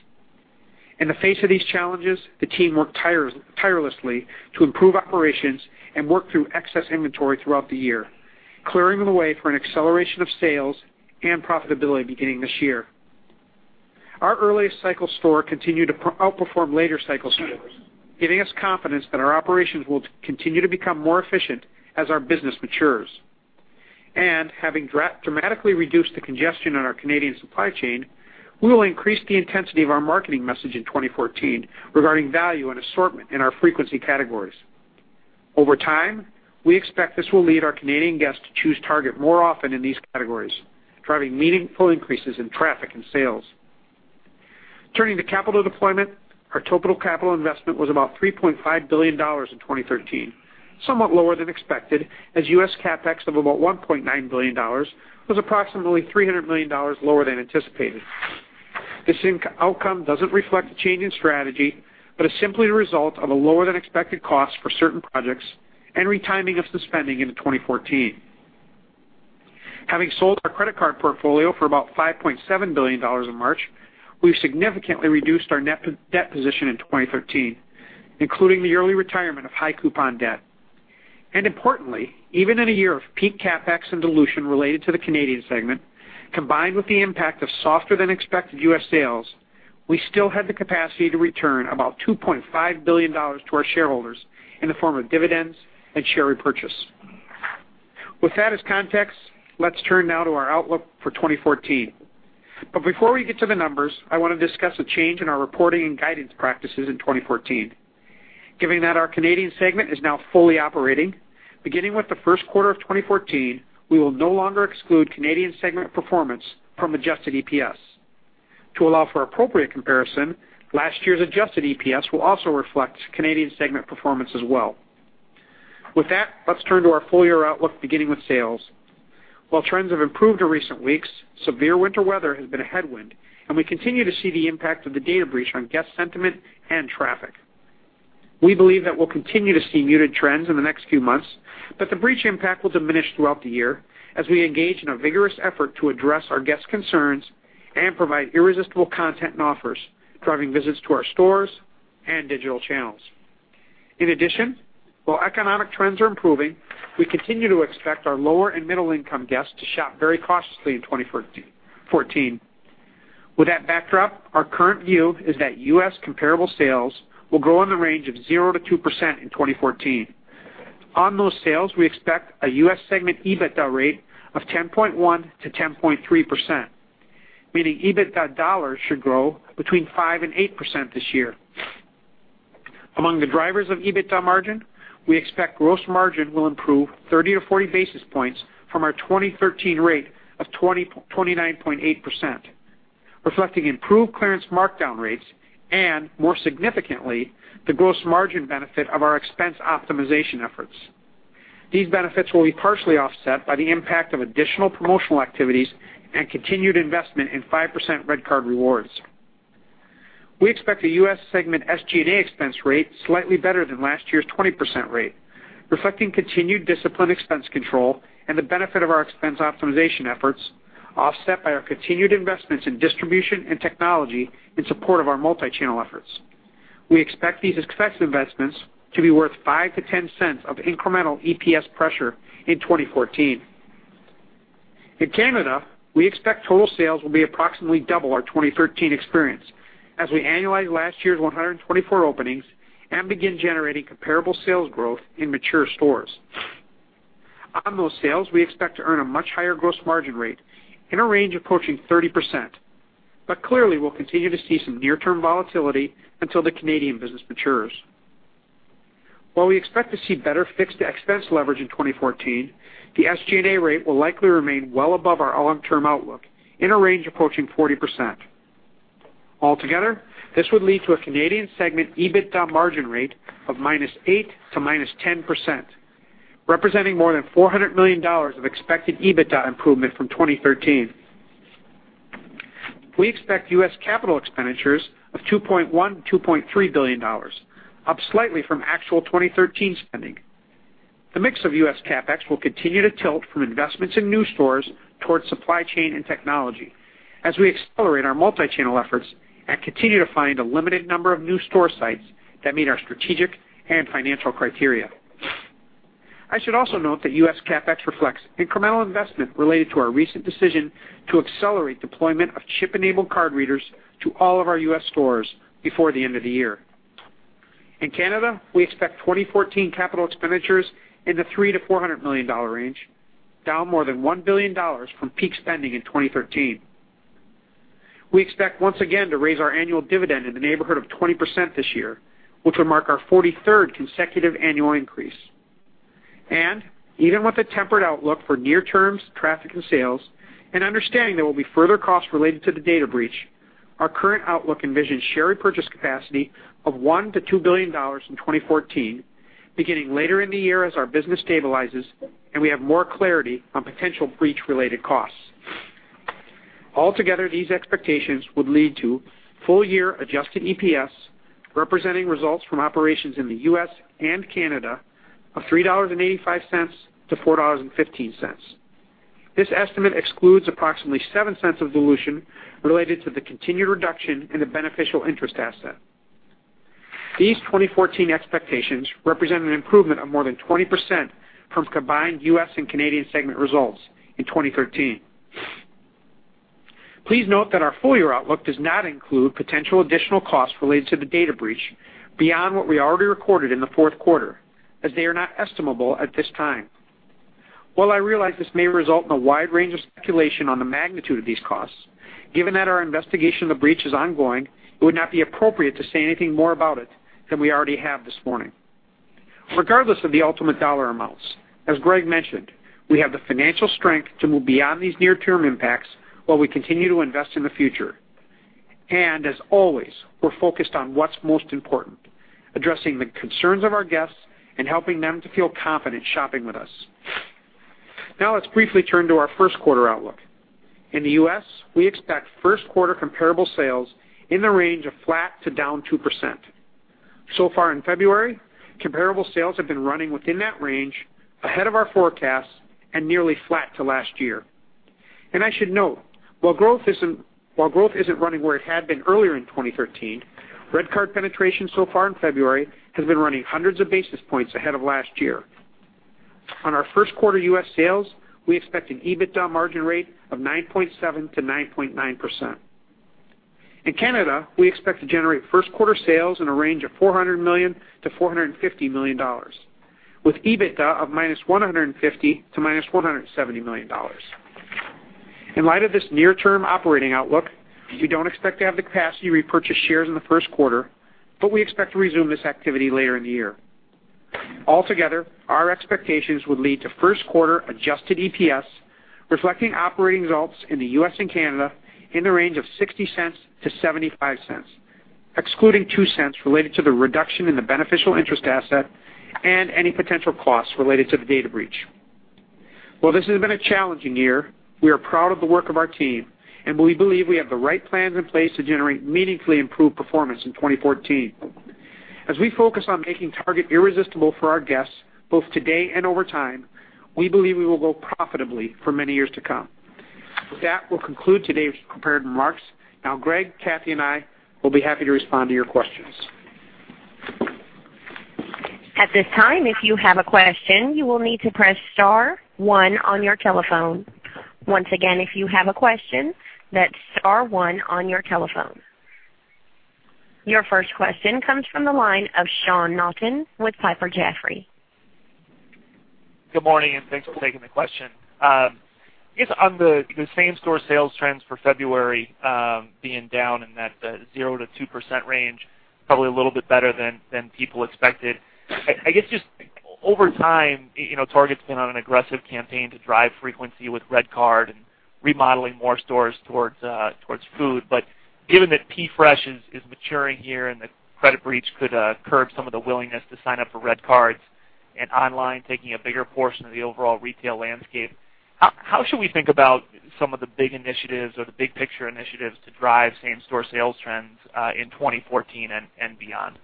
[SPEAKER 3] In the face of these challenges, the team worked tirelessly to improve operations and work through excess inventory throughout the year, clearing the way for an acceleration of sales and profitability beginning this year. Our earliest cycle store continued to outperform later cycle stores, giving us confidence that our operations will continue to become more efficient as our business matures. Having dramatically reduced the congestion in our Canadian supply chain, we will increase the intensity of our marketing message in 2014 regarding value and assortment in our frequency categories. Over time, we expect this will lead our Canadian guests to choose Target more often in these categories, driving meaningful increases in traffic and sales. Turning to capital deployment, our total capital investment was about $3.5 billion in 2013, somewhat lower than expected, as U.S. CapEx of about $1.9 billion was approximately $300 million lower than anticipated. This outcome doesn't reflect a change in strategy, but is simply the result of a lower than expected cost for certain projects and retiming of some spending into 2014. Having sold our credit card portfolio for about $5.7 billion in March, we've significantly reduced our net debt position in 2013, including the early retirement of high coupon debt. Importantly, even in a year of peak CapEx and dilution related to the Canadian segment, combined with the impact of softer than expected U.S. sales, we still had the capacity to return about $2.5 billion to our shareholders in the form of dividends and share repurchase. With that as context, let's turn now to our outlook for 2014. Before we get to the numbers, I want to discuss a change in our reporting and guidance practices in 2014. Given that our Canadian segment is now fully operating, beginning with the first quarter of 2014, we will no longer exclude Canadian segment performance from adjusted EPS. To allow for appropriate comparison, last year's adjusted EPS will also reflect Canadian segment performance as well. With that, let's turn to our full year outlook, beginning with sales. While trends have improved in recent weeks, severe winter weather has been a headwind, and we continue to see the impact of the data breach on guest sentiment and traffic. We believe that we'll continue to see muted trends in the next few months, the breach impact will diminish throughout the year as we engage in a vigorous effort to address our guest concerns and provide irresistible content and offers, driving visits to our stores and digital channels. In addition, while economic trends are improving, we continue to expect our lower and middle income guests to shop very cautiously in 2014. With that backdrop, our current view is that U.S. comparable sales will grow in the range of 0%-2% in 2014. On those sales, we expect a U.S. segment EBITDA rate of 10.1%-10.3%, meaning EBITDA dollars should grow between 5% and 8% this year. Among the drivers of EBITDA margin, we expect gross margin will improve 30 to 40 basis points from our 2013 rate of 29.8%, reflecting improved clearance markdown rates and, more significantly, the gross margin benefit of our expense optimization efforts. These benefits will be partially offset by the impact of additional promotional activities and continued investment in 5% REDcard rewards. We expect the U.S. segment SG&A expense rate slightly better than last year's 20% rate, reflecting continued disciplined expense control and the benefit of our expense optimization efforts, offset by our continued investments in distribution and technology in support of our multi-channel efforts. We expect these expense investments to be worth $0.05-$0.10 of incremental EPS pressure in 2014. In Canada, we expect total sales will be approximately double our 2013 experience, as we annualize last year's 124 openings and begin generating comparable sales growth in mature stores. On those sales, we expect to earn a much higher gross margin rate in a range approaching 30%, clearly, we'll continue to see some near-term volatility until the Canadian business matures. While we expect to see better fixed expense leverage in 2014, the SG&A rate will likely remain well above our long-term outlook, in a range approaching 40%. Altogether, this would lead to a Canadian segment EBITDA margin rate of -8% to -10%, representing more than $400 million of expected EBITDA improvement from 2013. We expect U.S. capital expenditures of $2.1 billion-$2.3 billion, up slightly from actual 2013 spending. The mix of U.S. CapEx will continue to tilt from investments in new stores towards supply chain and technology, as we accelerate our multi-channel efforts and continue to find a limited number of new store sites that meet our strategic and financial criteria. I should also note that U.S. CapEx reflects incremental investment related to our recent decision to accelerate deployment of chip-enabled card readers to all of our U.S. stores before the end of the year. In Canada, we expect 2014 capital expenditures in the $300 million-$400 million range, down more than $1 billion from peak spending in 2013. We expect, once again, to raise our annual dividend in the neighborhood of 20% this year, which will mark our 43rd consecutive annual increase. Even with a tempered outlook for near-term traffic and sales, and understanding there will be further costs related to the data breach, our current outlook envisions share repurchase capacity of $1 billion-$2 billion in 2014, beginning later in the year as our business stabilizes and we have more clarity on potential breach-related costs. Altogether, these expectations would lead to full-year adjusted EPS, representing results from operations in the U.S. and Canada, of $3.85-$4.15. This estimate excludes approximately $0.07 of dilution related to the continued reduction in the beneficial interest asset. These 2014 expectations represent an improvement of more than 20% from combined U.S. and Canadian segment results in 2013. Please note that our full-year outlook does not include potential additional costs related to the data breach beyond what we already recorded in the fourth quarter, as they are not estimable at this time. While I realize this may result in a wide range of speculation on the magnitude of these costs, given that our investigation of the breach is ongoing, it would not be appropriate to say anything more about it than we already have this morning. Regardless of the ultimate dollar amounts, as Greg mentioned, we have the financial strength to move beyond these near-term impacts while we continue to invest in the future. As always, we're focused on what's most important: addressing the concerns of our guests and helping them to feel confident shopping with us. Now let's briefly turn to our first quarter outlook. In the U.S., we expect first quarter comparable sales in the range of flat to down 2%. So far in February, comparable sales have been running within that range, ahead of our forecasts, and nearly flat to last year. I should note, while growth isn't running where it had been earlier in 2013, REDcard penetration so far in February has been running hundreds of basis points ahead of last year. On our first quarter U.S. sales, we expect an EBITDA margin rate of 9.7%-9.9%. In Canada, we expect to generate first quarter sales in a range of $400 million-$450 million, with EBITDA of -$150 million - -$170 million. In light of this near-term operating outlook, we don't expect to have the capacity to repurchase shares in the first quarter, but we expect to resume this activity later in the year. Altogether, our expectations would lead to first quarter adjusted EPS, reflecting operating results in the U.S. and Canada in the range of $0.60 to $0.75, excluding $0.02 related to the reduction in the beneficial interest asset and any potential costs related to the data breach. While this has been a challenging year, we are proud of the work of our team, and we believe we have the right plans in place to generate meaningfully improved performance in 2014. As we focus on making Target irresistible for our guests, both today and over time, we believe we will grow profitably for many years to come. With that, we'll conclude today's prepared remarks. Now Greg, Kathee, and I will be happy to respond to your questions.
[SPEAKER 4] At this time, if you have a question, you will need to press star one on your telephone. Once again, if you have a question, that's star one on your telephone. Your first question comes from the line of Sean Naughton with Piper Jaffray.
[SPEAKER 5] Good morning. Thanks for taking the question. I guess on the same-store sales trends for February being down in that 0%-2% range, probably a little bit better than people expected. I guess, just over time, Target's been on an aggressive campaign to drive frequency with REDcard and remodeling more stores towards food. Given that PFresh is maturing here and the credit breach could curb some of the willingness to sign up for REDcards and online taking a bigger portion of the overall retail landscape, how should we think about some of the big initiatives or the big-picture initiatives to drive same-store sales trends in 2014 and beyond?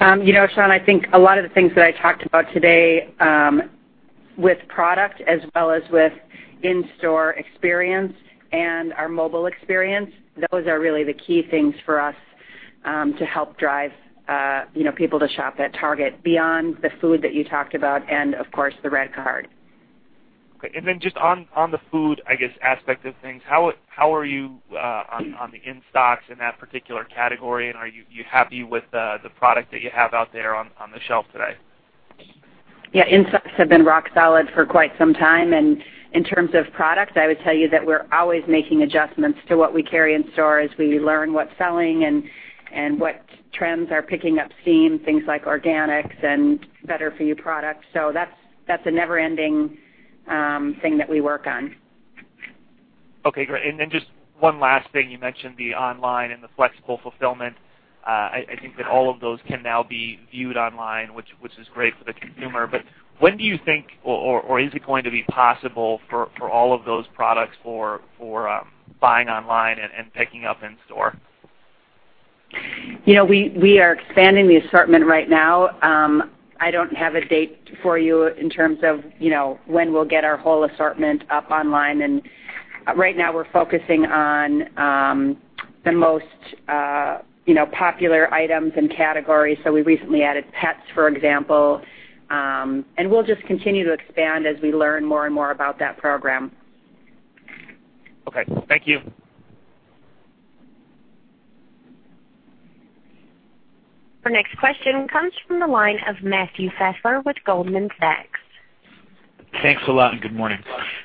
[SPEAKER 2] Sean, I think a lot of the things that I talked about today with product as well as with in-store experience and our mobile experience, those are really the key things for us to help drive people to shop at Target beyond the food that you talked about and, of course, the REDcard.
[SPEAKER 5] Okay. Just on the food, I guess, aspect of things, how are you on the in-stocks in that particular category, and are you happy with the product that you have out there on the shelf today?
[SPEAKER 2] Yeah. In-stocks have been rock solid for quite some time, and in terms of product, I would tell you that we're always making adjustments to what we carry in store as we learn what's selling and what trends are picking up steam, things like organics and better-for-you products. That's a never-ending thing that we work on.
[SPEAKER 5] Okay, great. Just one last thing. You mentioned the online and the flexible fulfillment. I think that all of those can now be viewed online, which is great for the consumer. When do you think, or is it going to be possible for all of those products for buying online and picking up in store?
[SPEAKER 2] We are expanding the assortment right now. I don't have a date for you in terms of when we'll get our whole assortment up online. Right now, we're focusing on the most popular items and categories. We recently added pets, for example, and we'll just continue to expand as we learn more and more about that program.
[SPEAKER 5] Okay. Thank you.
[SPEAKER 4] Our next question comes from the line of Matt Fassler with Goldman Sachs.
[SPEAKER 6] Thanks a lot. Good morning.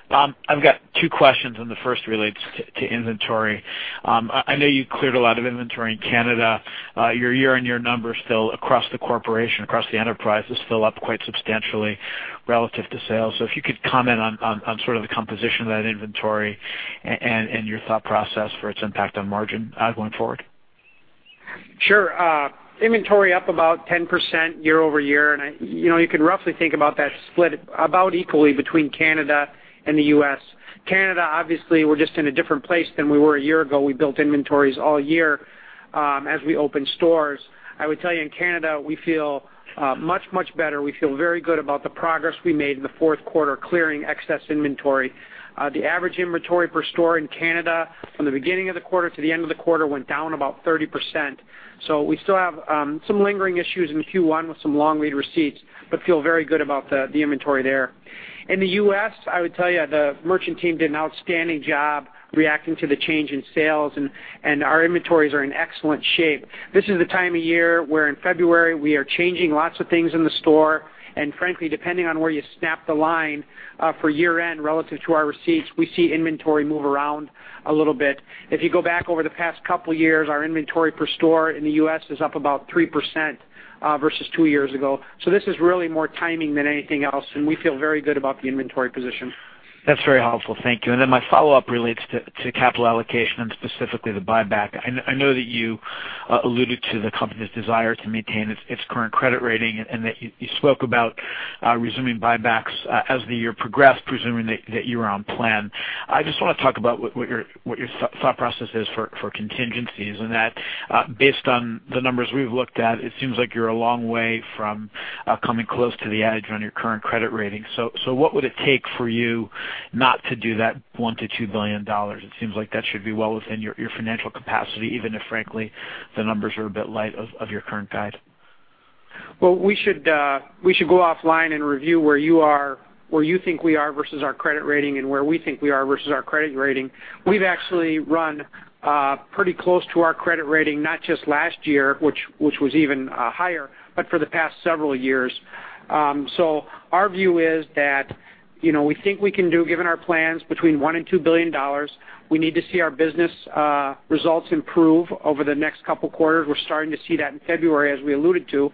[SPEAKER 6] I've got two questions. The first relates to inventory. I know you cleared a lot of inventory in Canada. Your year-on-year numbers still across the corporation, across the enterprise, is still up quite substantially relative to sales. If you could comment on sort of the composition of that inventory and your thought process for its impact on margin going forward.
[SPEAKER 3] Sure. Inventory up about 10% year-over-year. You can roughly think about that split about equally between Canada and the U.S. Canada, obviously, we're just in a different place than we were a year ago. We built inventories all year as we opened stores. I would tell you in Canada, we feel much better. We feel very good about the progress we made in the fourth quarter clearing excess inventory. The average inventory per store in Canada from the beginning of the quarter to the end of the quarter went down about 30%. We still have some lingering issues in Q1 with some long lead receipts but feel very good about the inventory there. In the U.S., I would tell you the merchant team did an outstanding job reacting to the change in sales. Our inventories are in excellent shape. This is the time of year where in February, we are changing lots of things in the store. Frankly, depending on where you snap the line for year-end relative to our receipts, we see inventory move around a little bit. If you go back over the past couple of years, our inventory per store in the U.S. is up about 3% versus two years ago. This is really more timing than anything else, and we feel very good about the inventory position.
[SPEAKER 6] That's very helpful. Thank you. My follow-up relates to capital allocation and specifically the buyback. I know that you alluded to the company's desire to maintain its current credit rating and that you spoke about resuming buybacks as the year progressed, presuming that you were on plan. I just want to talk about what your thought process is for contingencies and that based on the numbers we've looked at, it seems like you're a long way from coming close to the edge on your current credit rating. What would it take for you not to do that $1 billion-$2 billion? It seems like that should be well within your financial capacity, even if, frankly, the numbers are a bit light of your current guide.
[SPEAKER 3] Well, we should go offline and review where you think we are versus our credit rating and where we think we are versus our credit rating. We've actually run pretty close to our credit rating, not just last year, which was even higher, but for the past several years. Our view is that, we think we can do, given our plans, between $1 billion-$2 billion. We need to see our business results improve over the next couple of quarters. We're starting to see that in February, as we alluded to.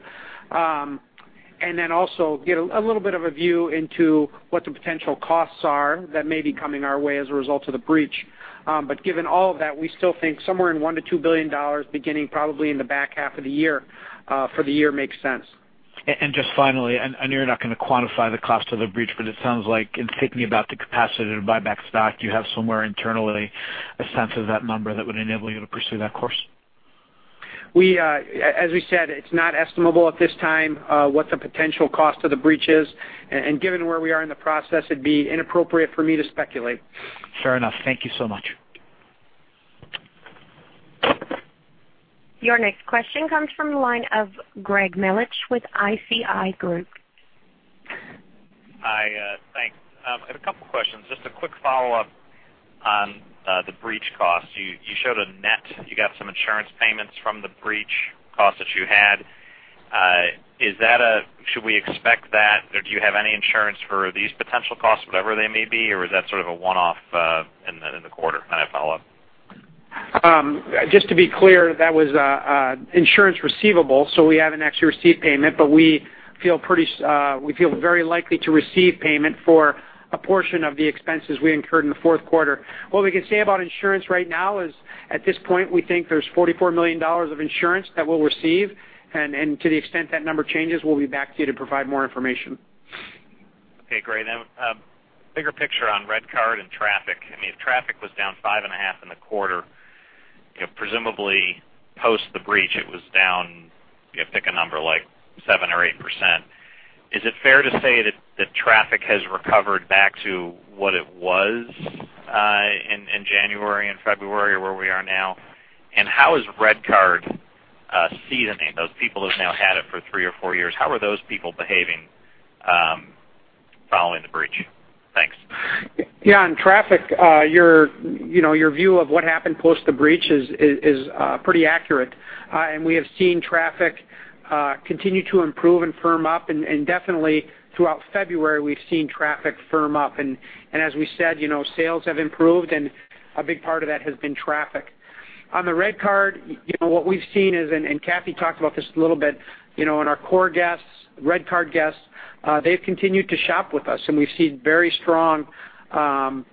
[SPEAKER 3] Also get a little bit of a view into what the potential costs are that may be coming our way as a result of the breach. Given all of that, we still think somewhere in $1 billion-$2 billion, beginning probably in the back half of the year, for the year makes sense.
[SPEAKER 6] Just finally, and you're not going to quantify the cost of the breach, it sounds like in thinking about the capacity to buy back stock, you have somewhere internally a sense of that number that would enable you to pursue that course.
[SPEAKER 3] As we said, it's not estimable at this time what the potential cost of the breach is, and given where we are in the process, it'd be inappropriate for me to speculate.
[SPEAKER 6] Fair enough. Thank you so much.
[SPEAKER 4] Your next question comes from the line of Greg Melich with ISI Group.
[SPEAKER 7] Hi. Thanks. I have a couple of questions. Just a quick follow-up on the breach cost. You showed a net. You got some insurance payments from the breach cost that you had. Should we expect that, or do you have any insurance for these potential costs, whatever they may be, or is that sort of a one-off in the quarter kind of follow-up?
[SPEAKER 3] Just to be clear, that was insurance receivable, so we haven't actually received payment, but we feel very likely to receive payment for a portion of the expenses we incurred in the fourth quarter. What we can say about insurance right now is, at this point, we think there's $44 million of insurance that we'll receive, and to the extent that number changes, we'll be back to you to provide more information.
[SPEAKER 7] Okay, great. Bigger picture on REDcard and traffic. If traffic was down 5.5% in the quarter, presumably post the breach, it was down, pick a number, like 7% or 8%. Is it fair to say that traffic has recovered back to what it was in January and February where we are now? How is REDcard seasoning, those people who have now had it for three or four years, how are those people behaving following the breach? Thanks.
[SPEAKER 3] Yeah, on traffic, your view of what happened post the breach is pretty accurate. We have seen traffic continue to improve and firm up, and definitely throughout February, we've seen traffic firm up. As we said, sales have improved, and a big part of that has been traffic. On the REDcard, what we've seen is, and Kathee talked about this a little bit, in our core guests, REDcard guests, they've continued to shop with us, and we've seen very strong sales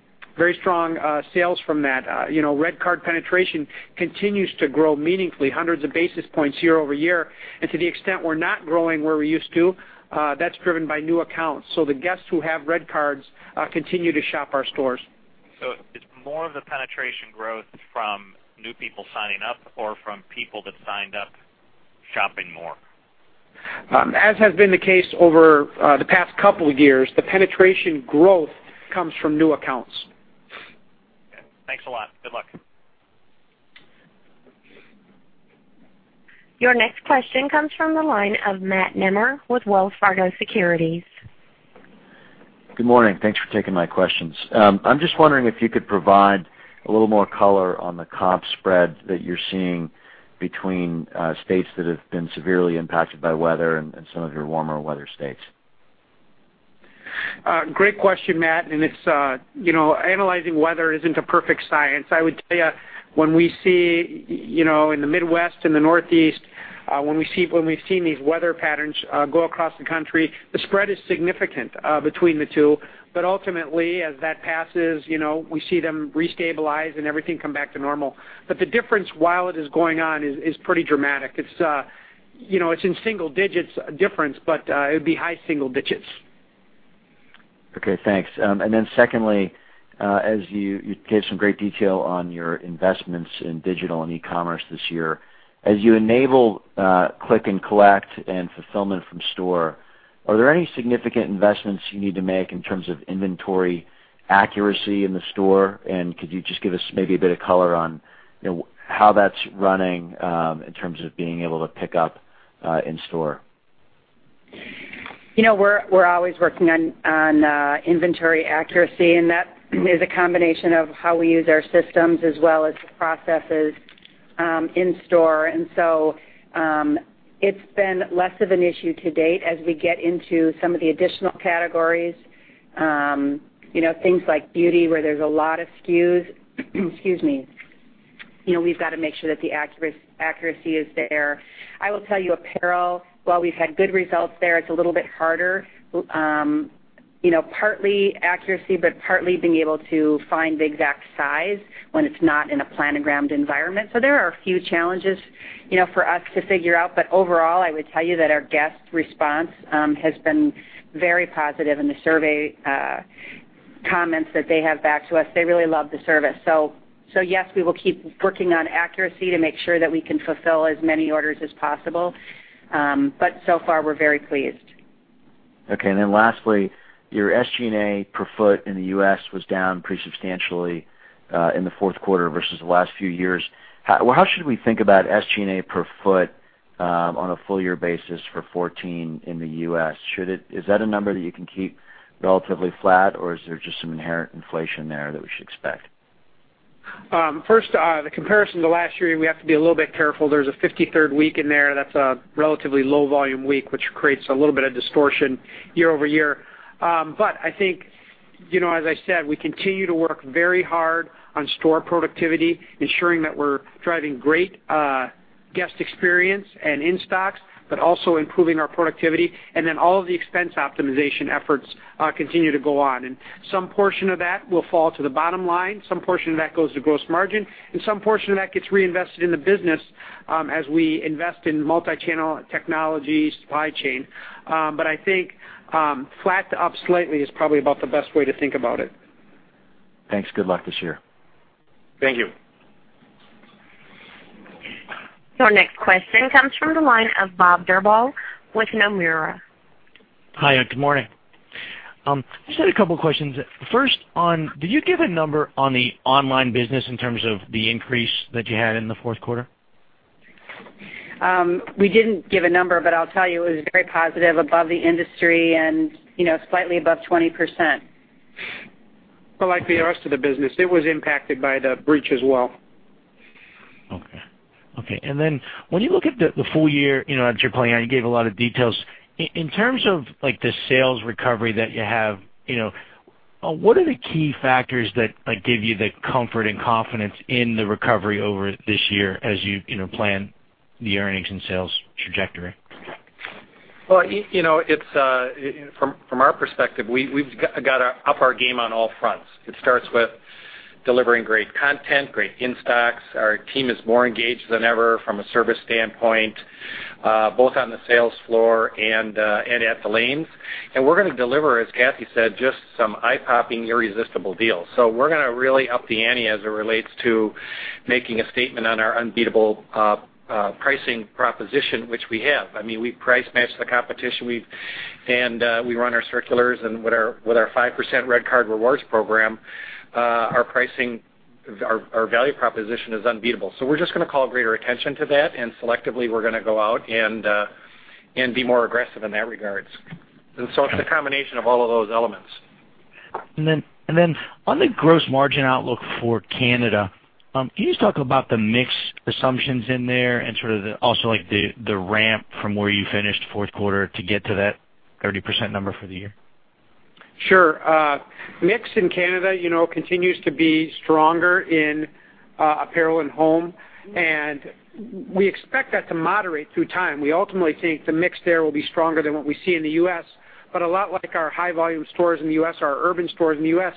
[SPEAKER 3] from that. REDcard penetration continues to grow meaningfully, hundreds of basis points year-over-year. To the extent we're not growing where we used to, that's driven by new accounts. The guests who have REDcards continue to shop our stores.
[SPEAKER 7] Is more of the penetration growth from new people signing up or from people that signed up shopping more?
[SPEAKER 1] As has been the case over the past couple of years, the penetration growth comes from new accounts.
[SPEAKER 7] Okay. Thanks a lot. Good luck.
[SPEAKER 4] Your next question comes from the line of Matt Nemer with Wells Fargo Securities.
[SPEAKER 8] Good morning. Thanks for taking my questions. I'm just wondering if you could provide a little more color on the comp spread that you're seeing between states that have been severely impacted by weather and some of your warmer weather states.
[SPEAKER 1] Great question, Matt. Analyzing weather isn't a perfect science. I would tell you, when we see in the Midwest and the Northeast, when we've seen these weather patterns go across the country, the spread is significant between the two. Ultimately, as that passes, we see them restabilize and everything come back to normal. The difference while it is going on is pretty dramatic. It's in single digits difference, but it would be high single digits.
[SPEAKER 8] Okay, thanks. Secondly, as you gave some great detail on your investments in digital and e-commerce this year, as you enable click and collect and fulfillment from store, are there any significant investments you need to make in terms of inventory accuracy in the store? Could you just give us maybe a bit of color on how that's running in terms of being able to pick up in store?
[SPEAKER 2] We're always working on inventory accuracy, and that is a combination of how we use our systems as well as processes in store. It's been less of an issue to date as we get into some of the additional categories. Things like beauty, where there's a lot of SKUs, excuse me, we've got to make sure that the accuracy is there. I will tell you, apparel, while we've had good results there, it's a little bit harder. Partly accuracy, but partly being able to find the exact size when it's not in a planogrammed environment. There are a few challenges for us to figure out. Overall, I would tell you that our guest response has been very positive in the survey comments that they have back to us. They really love the service. Yes, we will keep working on accuracy to make sure that we can fulfill as many orders as possible. So far, we're very pleased.
[SPEAKER 8] Okay, lastly, your SG&A per foot in the U.S. was down pretty substantially in the fourth quarter versus the last few years. How should we think about SG&A per foot on a full year basis for 2014 in the U.S.? Is that a number that you can keep relatively flat, or is there just some inherent inflation there that we should expect?
[SPEAKER 3] First, the comparison to last year, we have to be a little bit careful. There's a 53rd week in there that's a relatively low volume week, which creates a little bit of distortion year-over-year. I think as I said, we continue to work very hard on store productivity, ensuring that we're driving great guest experience and in-stocks, also improving our productivity. All of the expense optimization efforts continue to go on. Some portion of that will fall to the bottom line. Some portion of that goes to gross margin, some portion of that gets reinvested in the business as we invest in multi-channel technology supply chain. I think flat to up slightly is probably about the best way to think about it.
[SPEAKER 8] Thanks. Good luck this year.
[SPEAKER 1] Thank you.
[SPEAKER 4] Your next question comes from the line of Bob Drbul with Nomura.
[SPEAKER 9] Hi, good morning. Just had a couple of questions. First on, did you give a number on the online business in terms of the increase that you had in the fourth quarter?
[SPEAKER 2] We didn't give a number, I'll tell you, it was very positive above the industry and slightly above 20%.
[SPEAKER 1] Like the rest of the business, it was impacted by the breach as well.
[SPEAKER 9] Okay. When you look at the full year, as you're planning on, you gave a lot of details. In terms of the sales recovery that you have, what are the key factors that give you the comfort and confidence in the recovery over this year as you plan the earnings and sales trajectory?
[SPEAKER 1] Well, from our perspective, we've got to up our game on all fronts. It starts with delivering great content, great in stocks. Our team is more engaged than ever from a service standpoint, both on the sales floor and at the lanes. We're going to deliver, as Kathee said, just some eye-popping, irresistible deals. We're going to really up the ante as it relates to making a statement on our unbeatable pricing proposition, which we have. We price match the competition, and we run our circulars and with our 5% REDcard rewards program, our value proposition is unbeatable. We're just going to call greater attention to that, and selectively, we're going to go out and be more aggressive in that regards. It's a combination of all of those elements.
[SPEAKER 9] On the gross margin outlook for Canada, can you just talk about the mix assumptions in there and sort of also the ramp from where you finished fourth quarter to get to that 30% number for the year?
[SPEAKER 3] Sure. Mix in Canada continues to be stronger in apparel and home, we expect that to moderate through time. We ultimately think the mix there will be stronger than what we see in the U.S., but a lot like our high volume stores in the U.S., our urban stores in the U.S.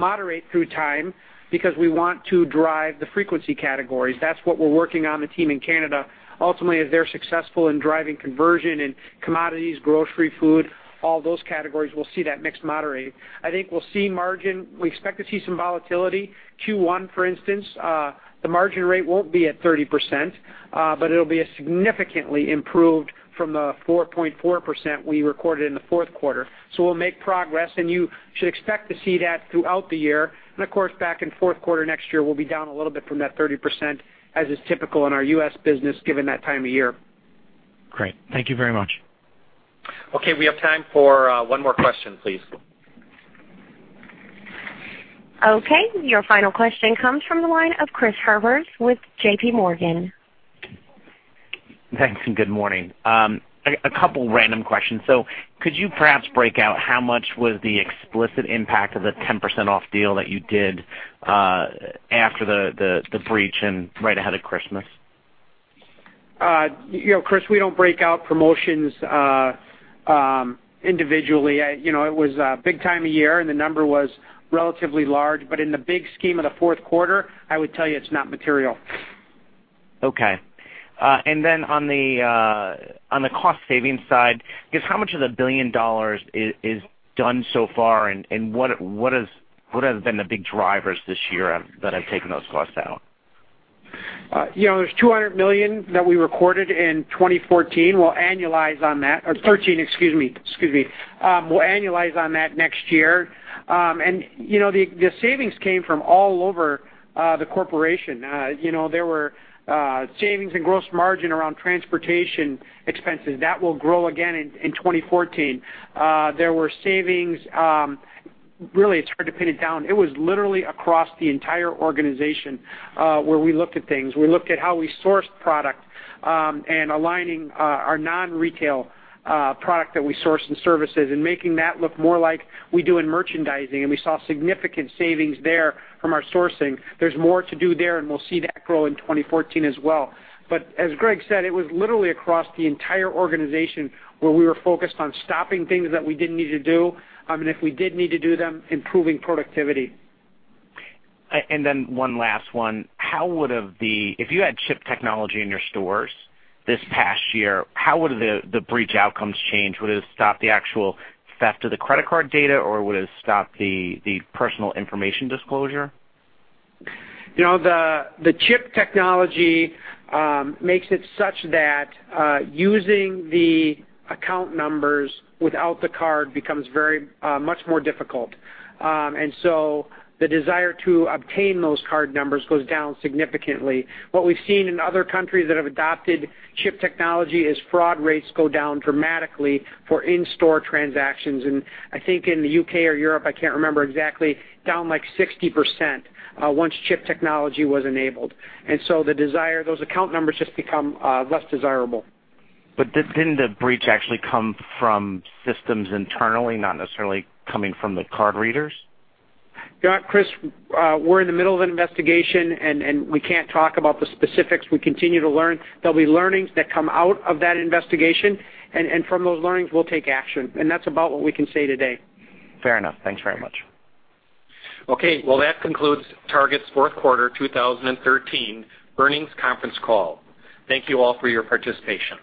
[SPEAKER 3] moderate through time because we want to drive the frequency categories. That's what we're working on, the team in Canada. Ultimately, if they're successful in driving conversion in commodities, grocery, food, all those categories, we'll see that mix moderate. I think we'll see margin. We expect to see some volatility. Q1, for instance, the margin rate won't be at 30%, but it'll be significantly improved from the 4.4% we recorded in the fourth quarter. We'll make progress, and you should expect to see that throughout the year. Of course, back in fourth quarter next year, we'll be down a little bit from that 30%, as is typical in our U.S. business, given that time of year.
[SPEAKER 9] Great. Thank you very much.
[SPEAKER 1] Okay, we have time for one more question, please.
[SPEAKER 4] Okay. Your final question comes from the line of Chris Horvers with JP Morgan.
[SPEAKER 10] Thanks, and good morning. A couple random questions. Could you perhaps break out how much was the explicit impact of the 10%-off deal that you did after the breach and right ahead of Christmas?
[SPEAKER 3] Chris, we don't break out promotions individually. It was a big time of year, and the number was relatively large, but in the big scheme of the fourth quarter, I would tell you it's not material.
[SPEAKER 10] Okay. On the cost-saving side, I guess, how much of the $1 billion is done so far, and what have been the big drivers this year that have taken those costs out?
[SPEAKER 3] There's $200 million that we recorded in 2014. We'll annualize on that. Or 2013, excuse me. We'll annualize on that next year. The savings came from all over the corporation. There were savings in gross margin around transportation expenses. That will grow again in 2014. There were savings. Really, it's hard to pin it down. It was literally across the entire organization where we looked at things. We looked at how we sourced product and aligning our non-retail product that we source in services and making that look more like we do in merchandising, and we saw significant savings there from our sourcing. There's more to do there, and we'll see that grow in 2014 as well. As Greg said, it was literally across the entire organization where we were focused on stopping things that we didn't need to do, and if we did need to do them, improving productivity.
[SPEAKER 10] One last one. If you had chip technology in your stores this past year, how would the breach outcomes change? Would it have stopped the actual theft of the credit card data, or would it have stopped the personal information disclosure?
[SPEAKER 3] The chip technology makes it such that using the account numbers without the card becomes much more difficult. The desire to obtain those card numbers goes down significantly. What we've seen in other countries that have adopted chip technology is fraud rates go down dramatically for in-store transactions, and I think in the U.K. or Europe, I can't remember exactly, down, like, 60% once chip technology was enabled. Those account numbers just become less desirable.
[SPEAKER 10] Didn't the breach actually come from systems internally, not necessarily coming from the card readers?
[SPEAKER 3] Chris, we're in the middle of an investigation. We can't talk about the specifics. We continue to learn. There'll be learnings that come out of that investigation. From those learnings, we'll take action. That's about what we can say today.
[SPEAKER 10] Fair enough. Thanks very much.
[SPEAKER 1] Okay. Well, that concludes Target's fourth quarter 2013 earnings conference call. Thank you all for your participation.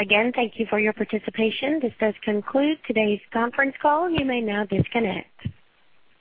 [SPEAKER 4] Again, thank you for your participation. This does conclude today's conference call. You may now disconnect.